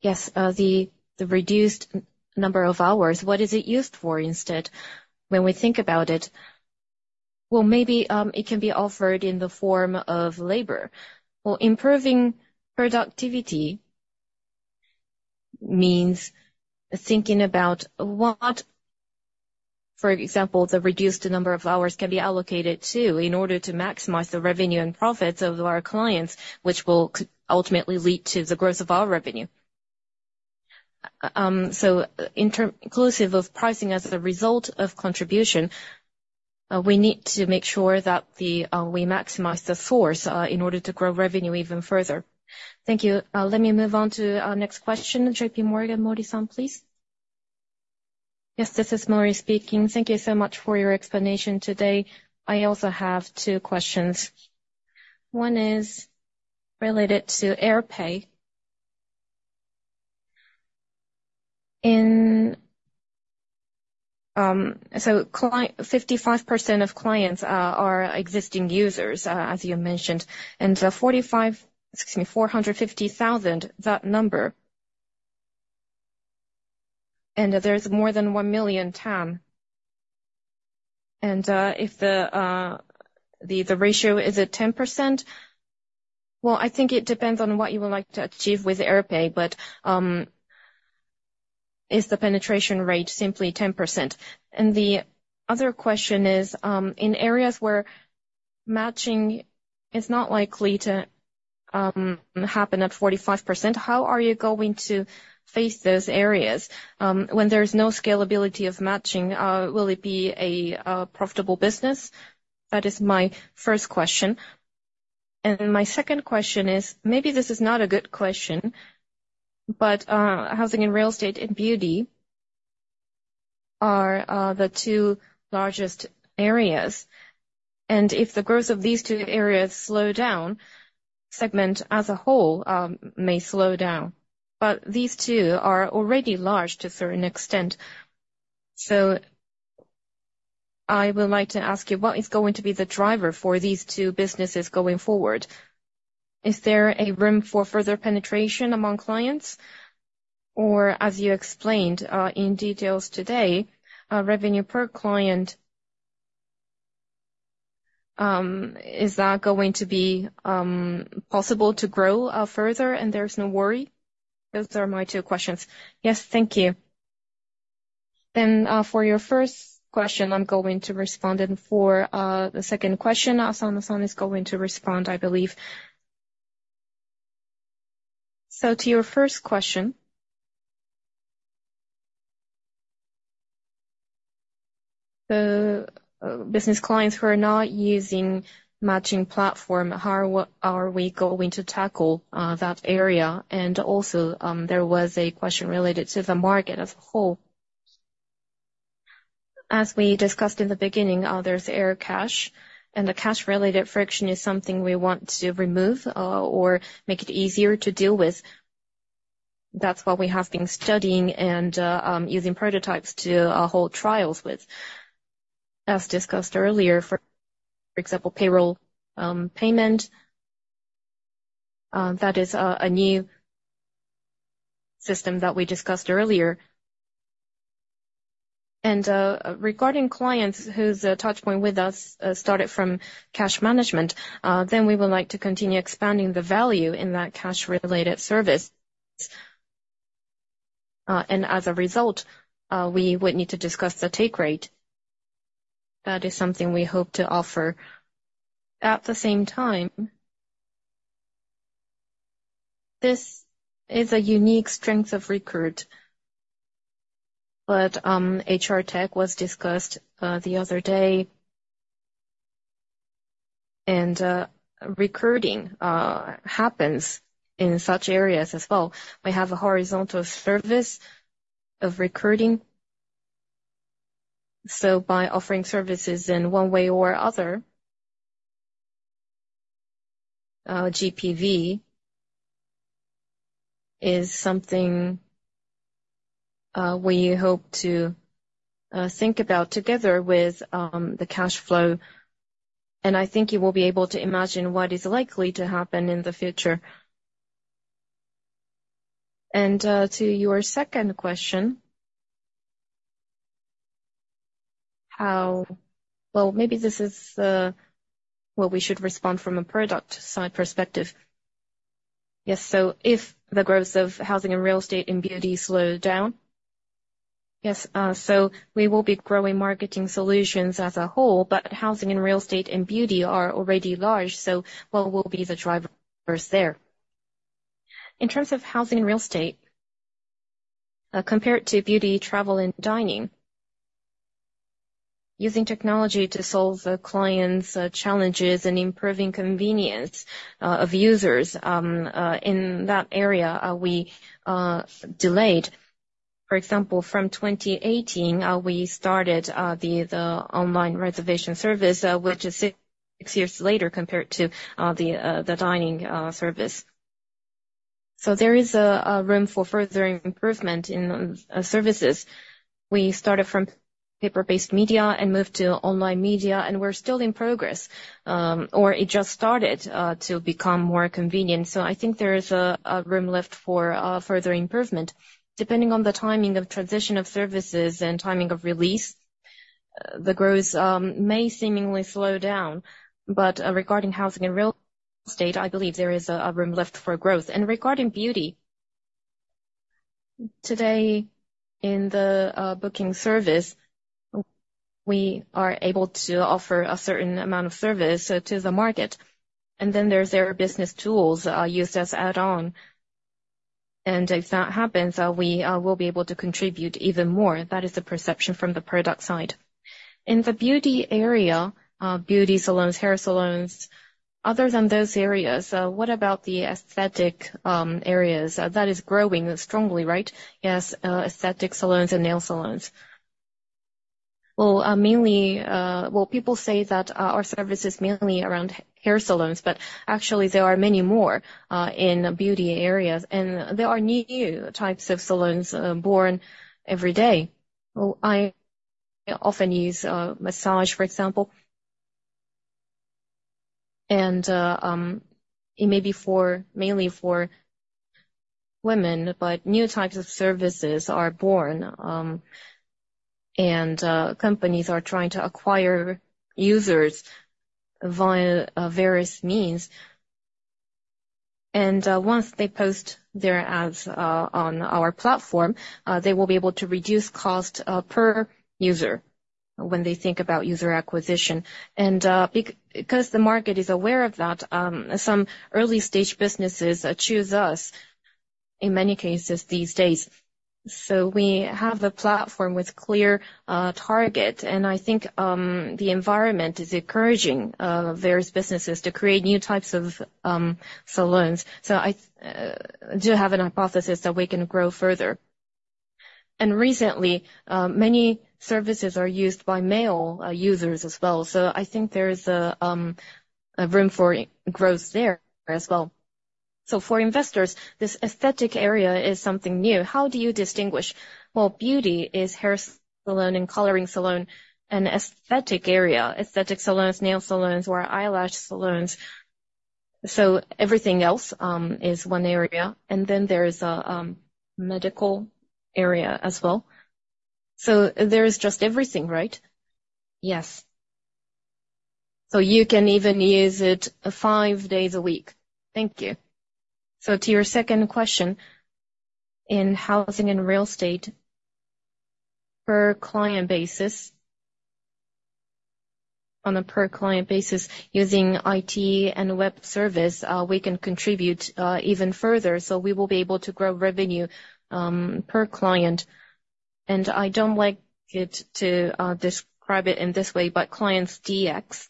Yes, the reduced number of hours, what is it used for instead when we think about it? Well, maybe, it can be offered in the form of labor. Well, improving productivity means thinking about what, for example, the reduced number of hours can be allocated to in order to maximize the revenue and profits of our clients, which will ultimately lead to the growth of our revenue. Inclusive of pricing as a result of contribution, we need to make sure that we maximize the source in order to grow revenue even further. Thank you. Let me move on to our next question. JP Morgan, Mori-san, please. Yes, this is Mori speaking. Thank you so much for your explanation today. I also have two questions. One is related to AirPAY. 55% of clients are existing users, as you mentioned, 45, excuse me, 450,000, that number. There's more than 1 million TAM. If the ratio is at 10%, well, I think it depends on what you would like to achieve with AirPAY, but is the penetration rate simply 10%? The other question is, in areas where matching is not likely to happen at 45%. How are you going to face those areas, when there's no scalability of matching, will it be a profitable business? That is my first question. My second question is, maybe this is not a good question, but housing and real estate and beauty are the two largest areas. If the growth of these two areas slow down, segment as a whole may slow down. These two are already large to a certain extent. I would like to ask you, what is going to be the driver for these two businesses going forward? Is there a room for further penetration among clients? As you explained, in details today, revenue per client, is that going to be possible to grow further and there's no worry? Those are my two questions. Yes, thank you. For your first question, I'm going to respond. For the second question, Asano-san is going to respond, I believe. To your first question. The business clients who are not using matching platform, how are we going to tackle that area? Also, there was a question related to the market as a whole. As we discussed in the beginning, there's AirCASH, and the cash-related friction is something we want to remove or make it easier to deal with. That's what we have been studying and using prototypes to hold trials with. As discussed earlier, for example, payroll, payment, that is a new system that we discussed earlier. Regarding clients whose touchpoint with us started from cash management, then we would like to continue expanding the value in that cash-related service. As a result, we would need to discuss the take rate. That is something we hope to offer. At the same time, this is a unique strength of Recruit, but HR Tech was discussed the other day, and recruiting happens in such areas as well. We have a horizontal service of recruiting. By offering services in one way or other, GPV is something we hope to think about together with the cash flow. I think you will be able to imagine what is likely to happen in the future. To your second question, Well, maybe this is what we should respond from a product side perspective. If the growth of housing and real estate and beauty slow down. We will be growing Marketing Solutions as a whole, but housing and real estate and beauty are already large. What will be the drivers there? In terms of housing and real estate, compared to beauty, travel, and dining, using technology to solve the clients' challenges and improving convenience of users in that area, we delayed. For example, from 2018, we started the online reservation service, which is six years later compared to the dining service. There is a room for further improvement in services. We started from paper-based media and moved to online media, we're still in progress, or it just started to become more convenient. I think there is a room left for further improvement. Depending on the timing of transition of services and timing of release, the growth may seemingly slow down. Regarding housing and real estate, I believe there is a room left for growth. Regarding beauty, today in the booking service, we are able to offer a certain amount of service to the market. There's their business tools used as add-on. If that happens, we will be able to contribute even more. That is the perception from the product side. In the beauty area, beauty salons, hair salons, other than those areas, what about the aesthetic areas? That is growing strongly, right? Yes, aesthetic salons and nail salons. Well, mainly, well, people say that our service is mainly around hair salons, but actually there are many more in beauty areas, and there are new types of salons born every day. Well, I often use massage, for example. It may be mainly for women, but new types of services are born, and companies are trying to acquire users via various means. Once they post their ads on our platform, they will be able to reduce cost per user. When they think about user acquisition. Because the market is aware of that, some early-stage businesses choose us in many cases these days. We have a platform with clear target, and I think the environment is encouraging various businesses to create new types of salons. I do have a hypothesis that we can grow further. Recently, many services are used by male users as well. I think there is a room for growth there as well. For investors, this aesthetic area is something new. How do you distinguish? Beauty is hair salon and coloring salon and aesthetic area, aesthetic salons, nail salons, or eyelash salons. Everything else is one area, and then there is medical area as well. There is just everything, right? Yes. You can even use it five days a week. Thank you. To your second question, in housing and real estate, per client basis. On a per client basis, using IT and web service, we can contribute even further, so we will be able to grow revenue per client. I don't like it to describe it in this way, but clients DX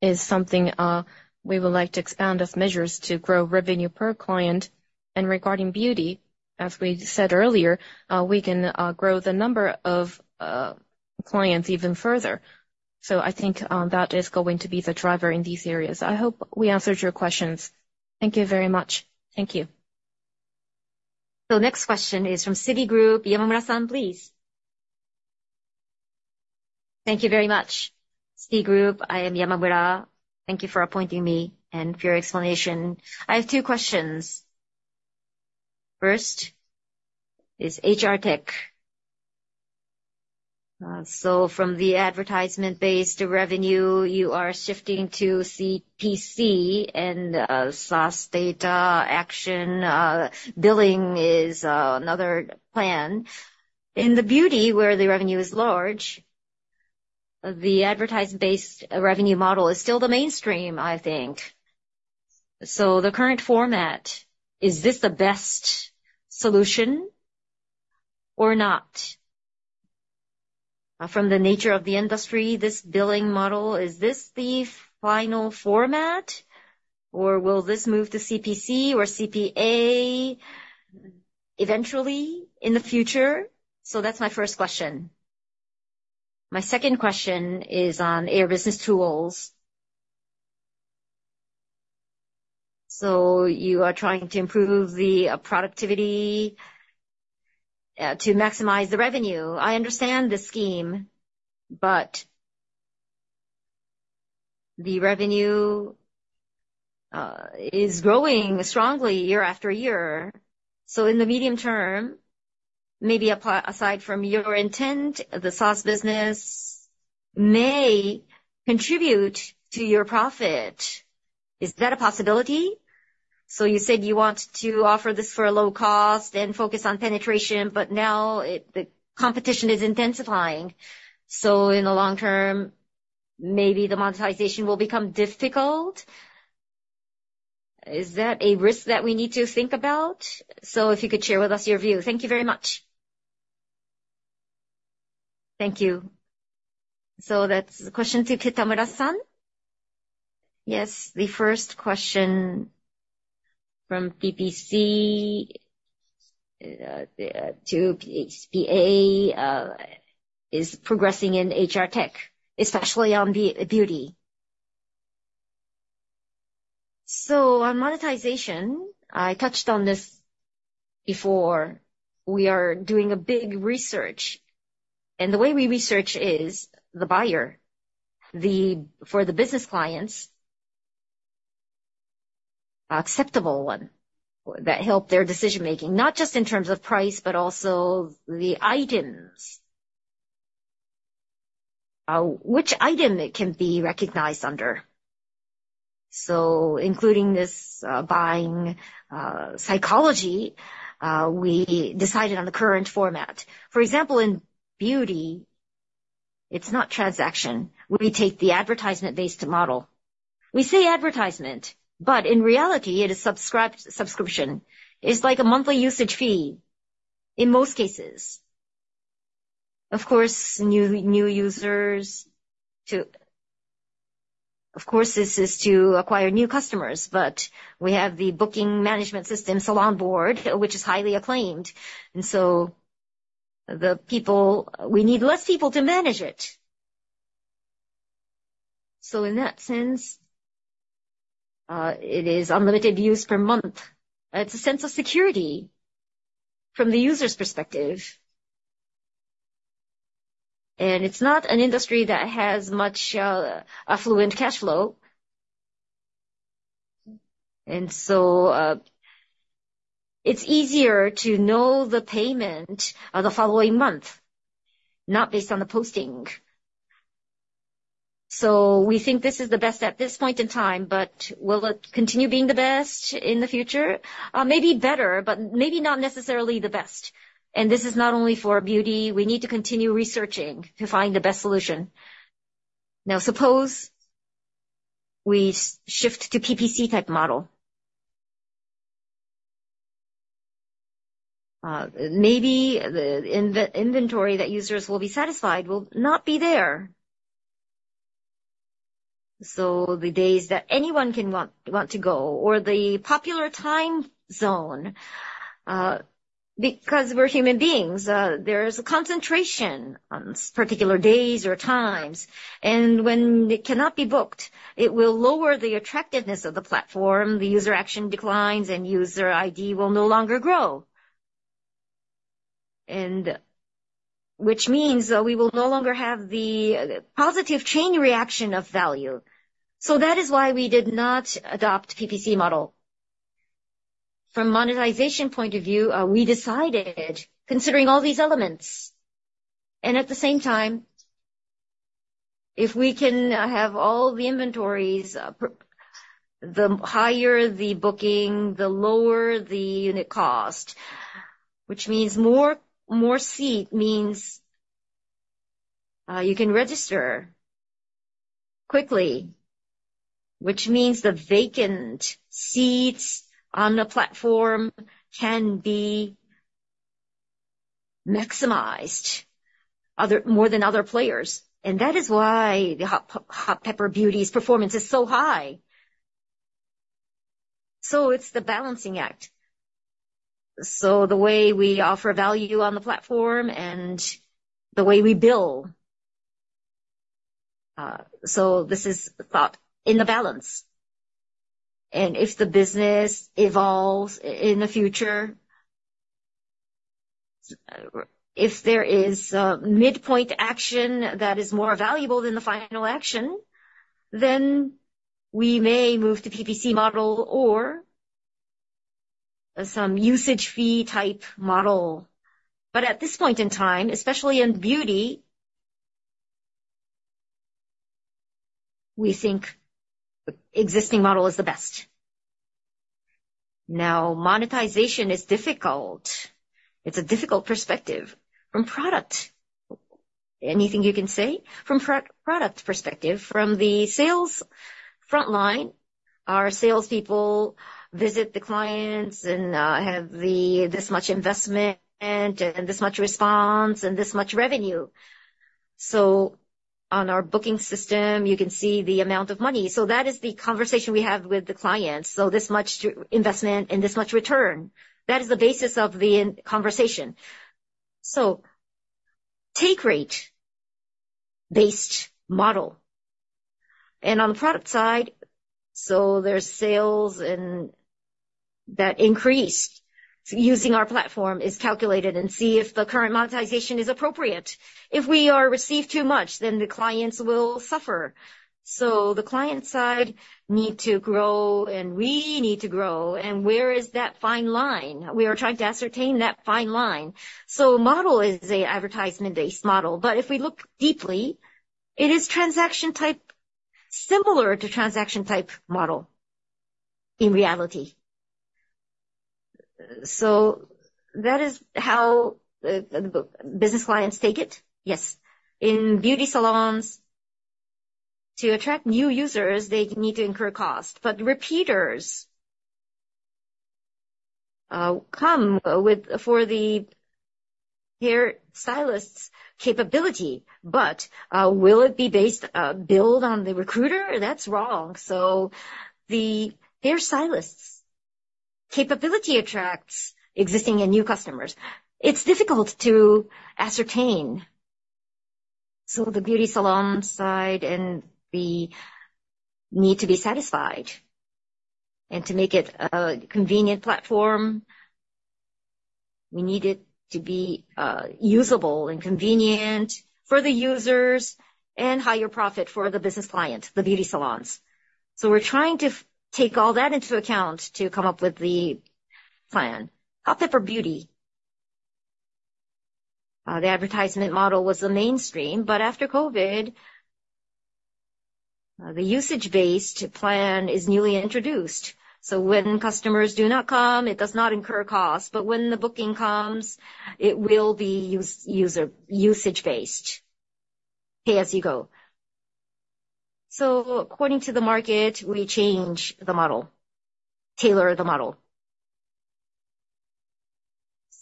is something we would like to expand as measures to grow revenue per client. Regarding beauty, as we said earlier, we can grow the number of clients even further. I think that is going to be the driver in these areas. I hope we answered your questions. Thank you very much. Thank you. Next question is from Citigroup. Yamamura, please. Thank you very much. Citigroup, I am Yamamura. Thank you for appointing me and for your explanation. I have two questions. First is HR Tech. From the advertisement-based revenue, you are shifting to CPC and SaaS data action. Billing is another plan. In the beauty where the revenue is large, the advertisement-based revenue model is still the mainstream, I think. The current format, is this the best solution or not? From the nature of the industry, this billing model, is this the final format, or will this move to CPC or CPA eventually in the future? That's my first question. My second question is on Air BusinessTools. You are trying to improve the productivity to maximize the revenue. I understand the scheme, the revenue is growing strongly year after year. In the medium term, maybe apply aside from your intent, the SaaS business may contribute to your profit. Is that a possibility? You said you want to offer this for a low cost and focus on penetration, but now the competition is intensifying. In the long term, maybe the monetization will become difficult. Is that a risk that we need to think about? If you could share with us your view. Thank you very much. Thank you. That's the question to Kitamura-san. Yes. The first question from PPC to PHPA is progressing in HR Tech, especially on beauty. On monetization, I touched on this before. We are doing a big research, and the way we research is the buyer. For the business clients, acceptable one that help their decision-making, not just in terms of price, but also the items. Which item it can be recognized under. Including this buying psychology, we decided on the current format. For example, in beauty, it's not transaction. We take the advertisement-based model. We say advertisement, but in reality it is subscription. It's like a monthly usage fee in most cases. Of course, new users. Of course, this is to acquire new customers, but we have the booking management system, Salon Board, which is highly acclaimed. We need less people to manage it. In that sense, it is unlimited use per month. It's a sense of security from the user's perspective. It's not an industry that has much affluent cash flow. It's easier to know the payment of the following month, not based on the posting. We think this is the best at this point in time, but will it continue being the best in the future? Maybe better, but maybe not necessarily the best. This is not only for beauty. We need to continue researching to find the best solution. Now, suppose we shift to PPC type model. Maybe the inventory that users will be satisfied will not be there. The days that anyone can want to go or the popular time zone, because we're human beings, there is a concentration on particular days or times, and when it cannot be booked, it will lower the attractiveness of the platform, the user action declines, and user ID will no longer grow. Which means that we will no longer have the positive chain reaction of value. That is why we did not adopt PPC model. From monetization point of view, we decided considering all these elements, and at the same time, if we can have all the inventories, the higher the booking, the lower the unit cost, which means more seat means you can register quickly, which means the vacant seats on the platform can be maximized more than other players. That is why the Hot Pepper Beauty's performance is so high. It's the balancing act. The way we offer value on the platform and the way we bill, this is thought in the balance. If the business evolves in the future, if there is a midpoint action that is more valuable than the final action, we may move to PPC model or some usage fee type model. At this point in time, especially in beauty, we think existing model is the best. Now, monetization is difficult. It's a difficult perspective. From product, anything you can say? From product perspective, from the sales front line, our salespeople visit the clients and have the, this much investment and this much response and this much revenue. On our booking system, you can see the amount of money. That is the conversation we have with the clients. This much investment and this much return. That is the basis of the conversation. Take rate based model. On the product side, there's sales and that increase. Using our platform is calculated and see if the current monetization is appropriate. If we are received too much, then the clients will suffer. The client side need to grow, and we need to grow, and where is that fine line? We are trying to ascertain that fine line. Model is a advertisement-based model, but if we look deeply, it is transaction type, similar to transaction type model in reality. That is how the business clients take it. Yes. In beauty salons, to attract new users, they need to incur cost. Repeaters for the hairstylist's capability, will it be based build on the Recruit? That's wrong. The hairstylist's capability attracts existing and new customers. It's difficult to ascertain. The beauty salon side and the need to be satisfied and to make it a convenient platform, we need it to be usable and convenient for the users and higher profit for the business client, the beauty salons. We're trying to take all that into account to come up with the plan. Hot Pepper Beauty, the advertisement model was the mainstream, but after COVID, the usage-based plan is newly introduced. When customers do not come, it does not incur cost, but when the booking comes, it will be usage-based, pay-as-you-go. According to the market, we change the model, tailor the model.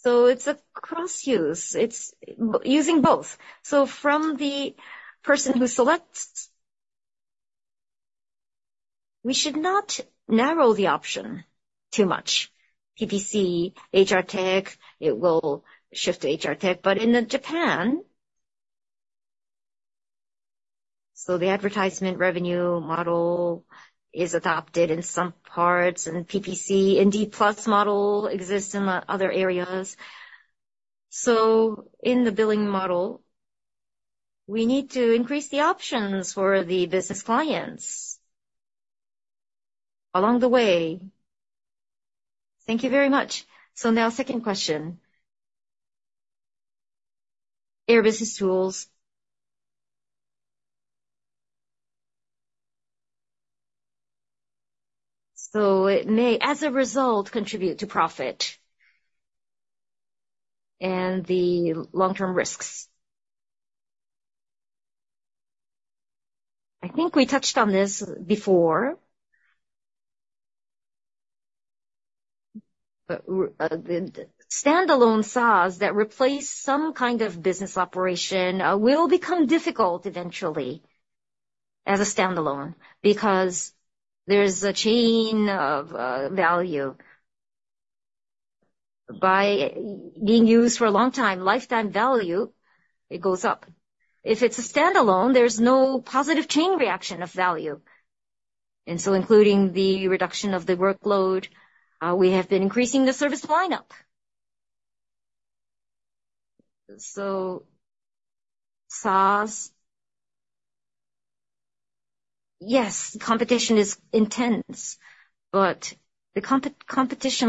It's a cross-use. It's using both. From the person who selects, we should not narrow the option too much. PPC, HR Tech, it will shift to HR Tech. In the Japan, the advertisement revenue model is adopted in some parts, and PPC and D Plus model exists in other areas. In the billing model, we need to increase the options for the business clients along the way. Thank you very much. Now second question. Air BusinessTools. It may, as a result, contribute to profit. The long-term risks. I think we touched on this before. The standalone SaaS that replace some kind of business operation will become difficult eventually as a standalone because there's a chain of value. By being used for a long time, lifetime value, it goes up. If it's a standalone, there's no positive chain reaction of value. Including the reduction of the workload, we have been increasing the service lineup. SaaS, yes, competition is intense, but the competitive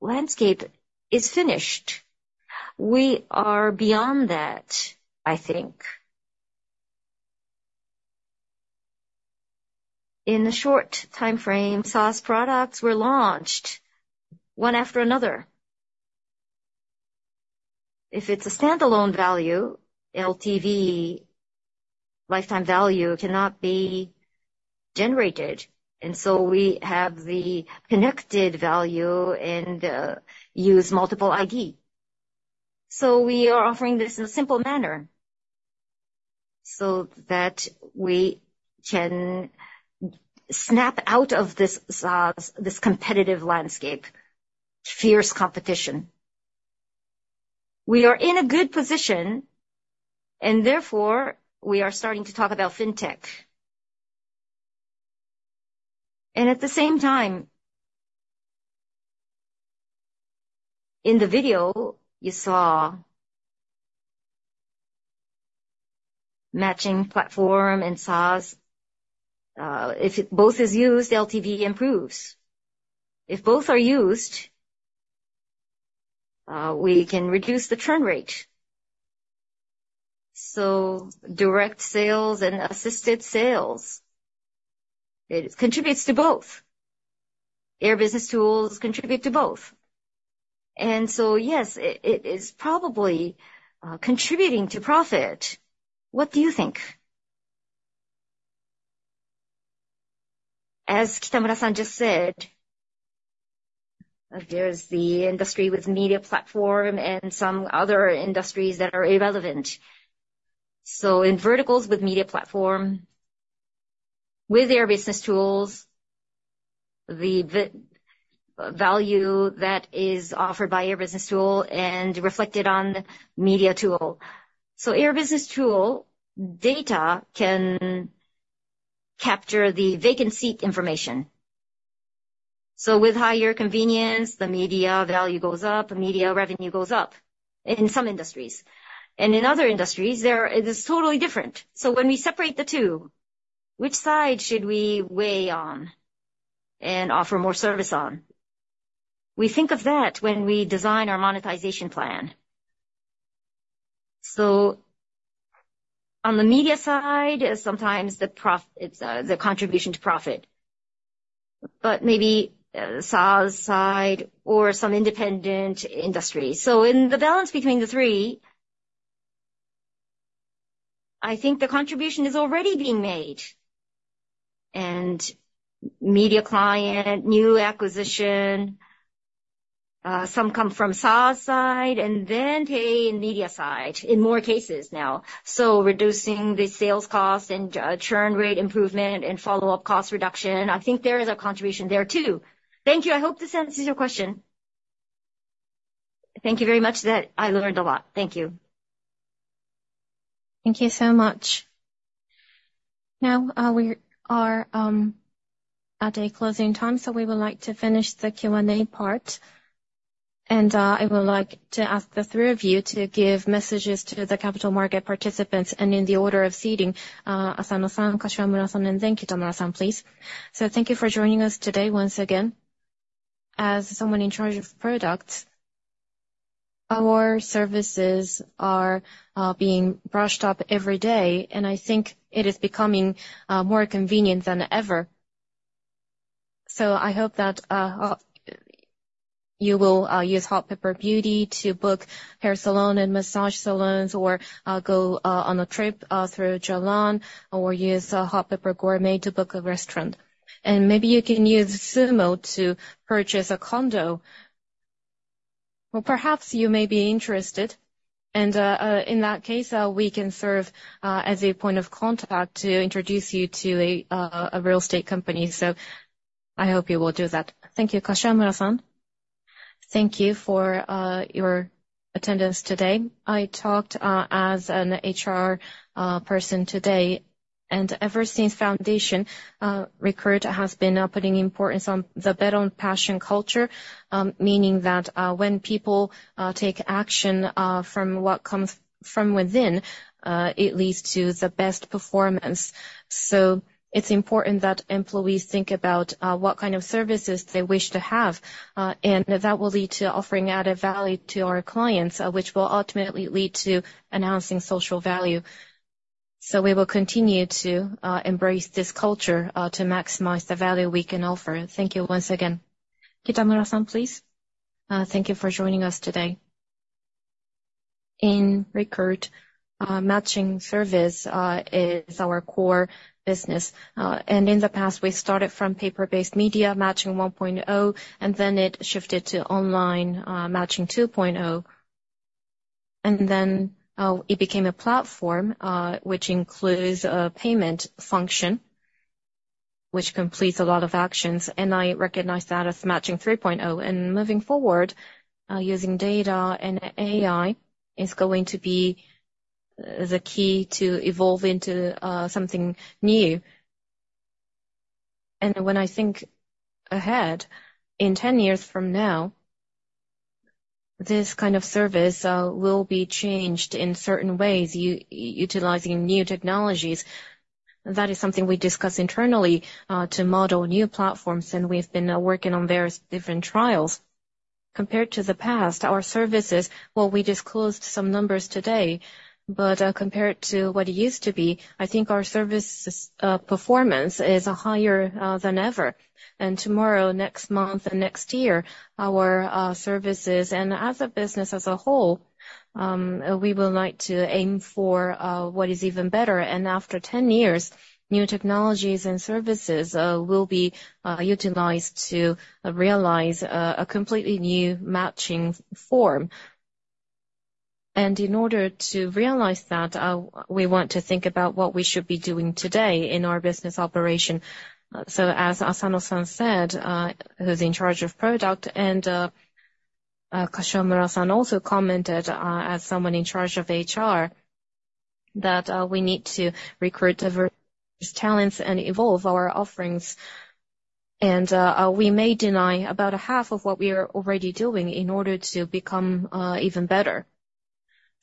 landscape is finished. We are beyond that, I think. In the short time frame, SaaS products were launched one after another. If it's a standalone value, LTV, lifetime value, cannot be generated, we have the connected value and use multiple ID. We are offering this in a simple manner so that we can snap out of this SaaS, this competitive landscape, fierce competition. We are in a good position and therefore we are starting to talk about fintech. At the same time, in the video you saw matching platform and SaaS, if it both is used, LTV improves. If both are used, we can reduce the churn rate. Direct sales and assisted sales, it contributes to both. Air BusinessTools contribute to both. Yes, it is probably contributing to profit. What do you think? As Kitamura-san just said, there's the industry with media platform and some other industries that are irrelevant. In verticals with media platform, with Air BusinessTools, the value that is offered by Air BusinessTool and reflected on media tool. Air BusinessTool data can capture the vacancy information. With higher convenience, the media value goes up, the media revenue goes up in some industries. In other industries, it is totally different. When we separate the two, which side should we weigh on and offer more service on? We think of that when we design our monetization plan. On the media side, sometimes it's the contribution to profit, but maybe SaaS side or some independent industry. In the balance between the three, I think the contribution is already being made. Media client, new acquisition, some come from SaaS side and then pay in media side in more cases now. Reducing the sales cost and churn rate improvement and follow-up cost reduction, I think there is a contribution there too. Thank you. I hope this answers your question. Thank you very much. I learned a lot. Thank you. Thank you so much. We are at a closing time, so we would like to finish the Q&A part. I would like to ask the three of you to give messages to the capital market participants in the order of seating, Asano-san, Kashimura-san, and then Kitamura-san, please. Thank you for joining us today once again. As someone in charge of products, our services are being brushed up every day, and I think it is becoming more convenient than ever. I hope that you will use Hot Pepper Beauty to book hair salon and massage salons or go on a trip through Jalan or use Hot Pepper Gourmet to book a restaurant. Maybe you can use SUUMO to purchase a condo, or perhaps you may be interested, and in that case, we can serve as a point of contact to introduce you to a real estate company. I hope you will do that. Thank you. Kashimura-san. Thank you for your attendance today. I talked as an HR person today, and ever since foundation. Recruit has been putting importance on the bet on passion culture, meaning that when people take action from what comes from within, it leads to the best performance. It's important that employees think about what kind of services they wish to have, and that will lead to offering added value to our clients, which will ultimately lead to enhancing social value. We will continue to embrace this culture to maximize the value we can offer. Thank you once again. Kitamura-san, please. Thank you for joining us today. In Recruit, matching service is our core business. In the past, we started from paper-based media matching 1.0, and then it shifted to online matching 2.0. Then it became a platform, which includes a payment function, which completes a lot of actions, and I recognize that as matching 3.0. Moving forward, using data and AI is going to be the key to evolve into something new. When I think ahead, in 10 years from now, this kind of service, will be changed in certain ways utilizing new technologies. That is something we discuss internally, to model new platforms, and we've been working on various different trials. Compared to the past, our services, while we disclosed some numbers today, but, compared to what it used to be, I think our service, performance is higher, than ever. Tomorrow, next month and next year, our services and as a business as a whole, we would like to aim for what is even better. After 10 years, new technologies and services will be utilized to realize a completely new matching form. In order to realize that, we want to think about what we should be doing today in our business operation. As Asano-san said, who's in charge of product, and Kashimura-san also commented, as someone in charge of HR, that we need to recruit diverse talents and evolve our offerings. We may deny about a half of what we are already doing in order to become even better.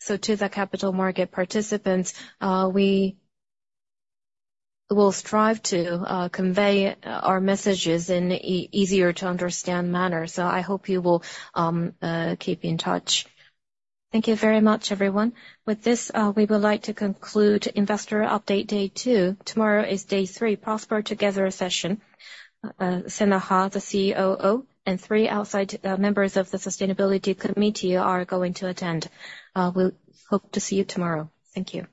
To the capital market participants, we will strive to convey our messages in easier to understand manner. I hope you will keep in touch. Thank you very much, everyone. With this, we would like to conclude investor update day two. Tomorrow is day three, prosper together session. Senaha, the COO, and three outside members of the sustainability committee are going to attend. We'll hope to see you tomorrow. Thank you.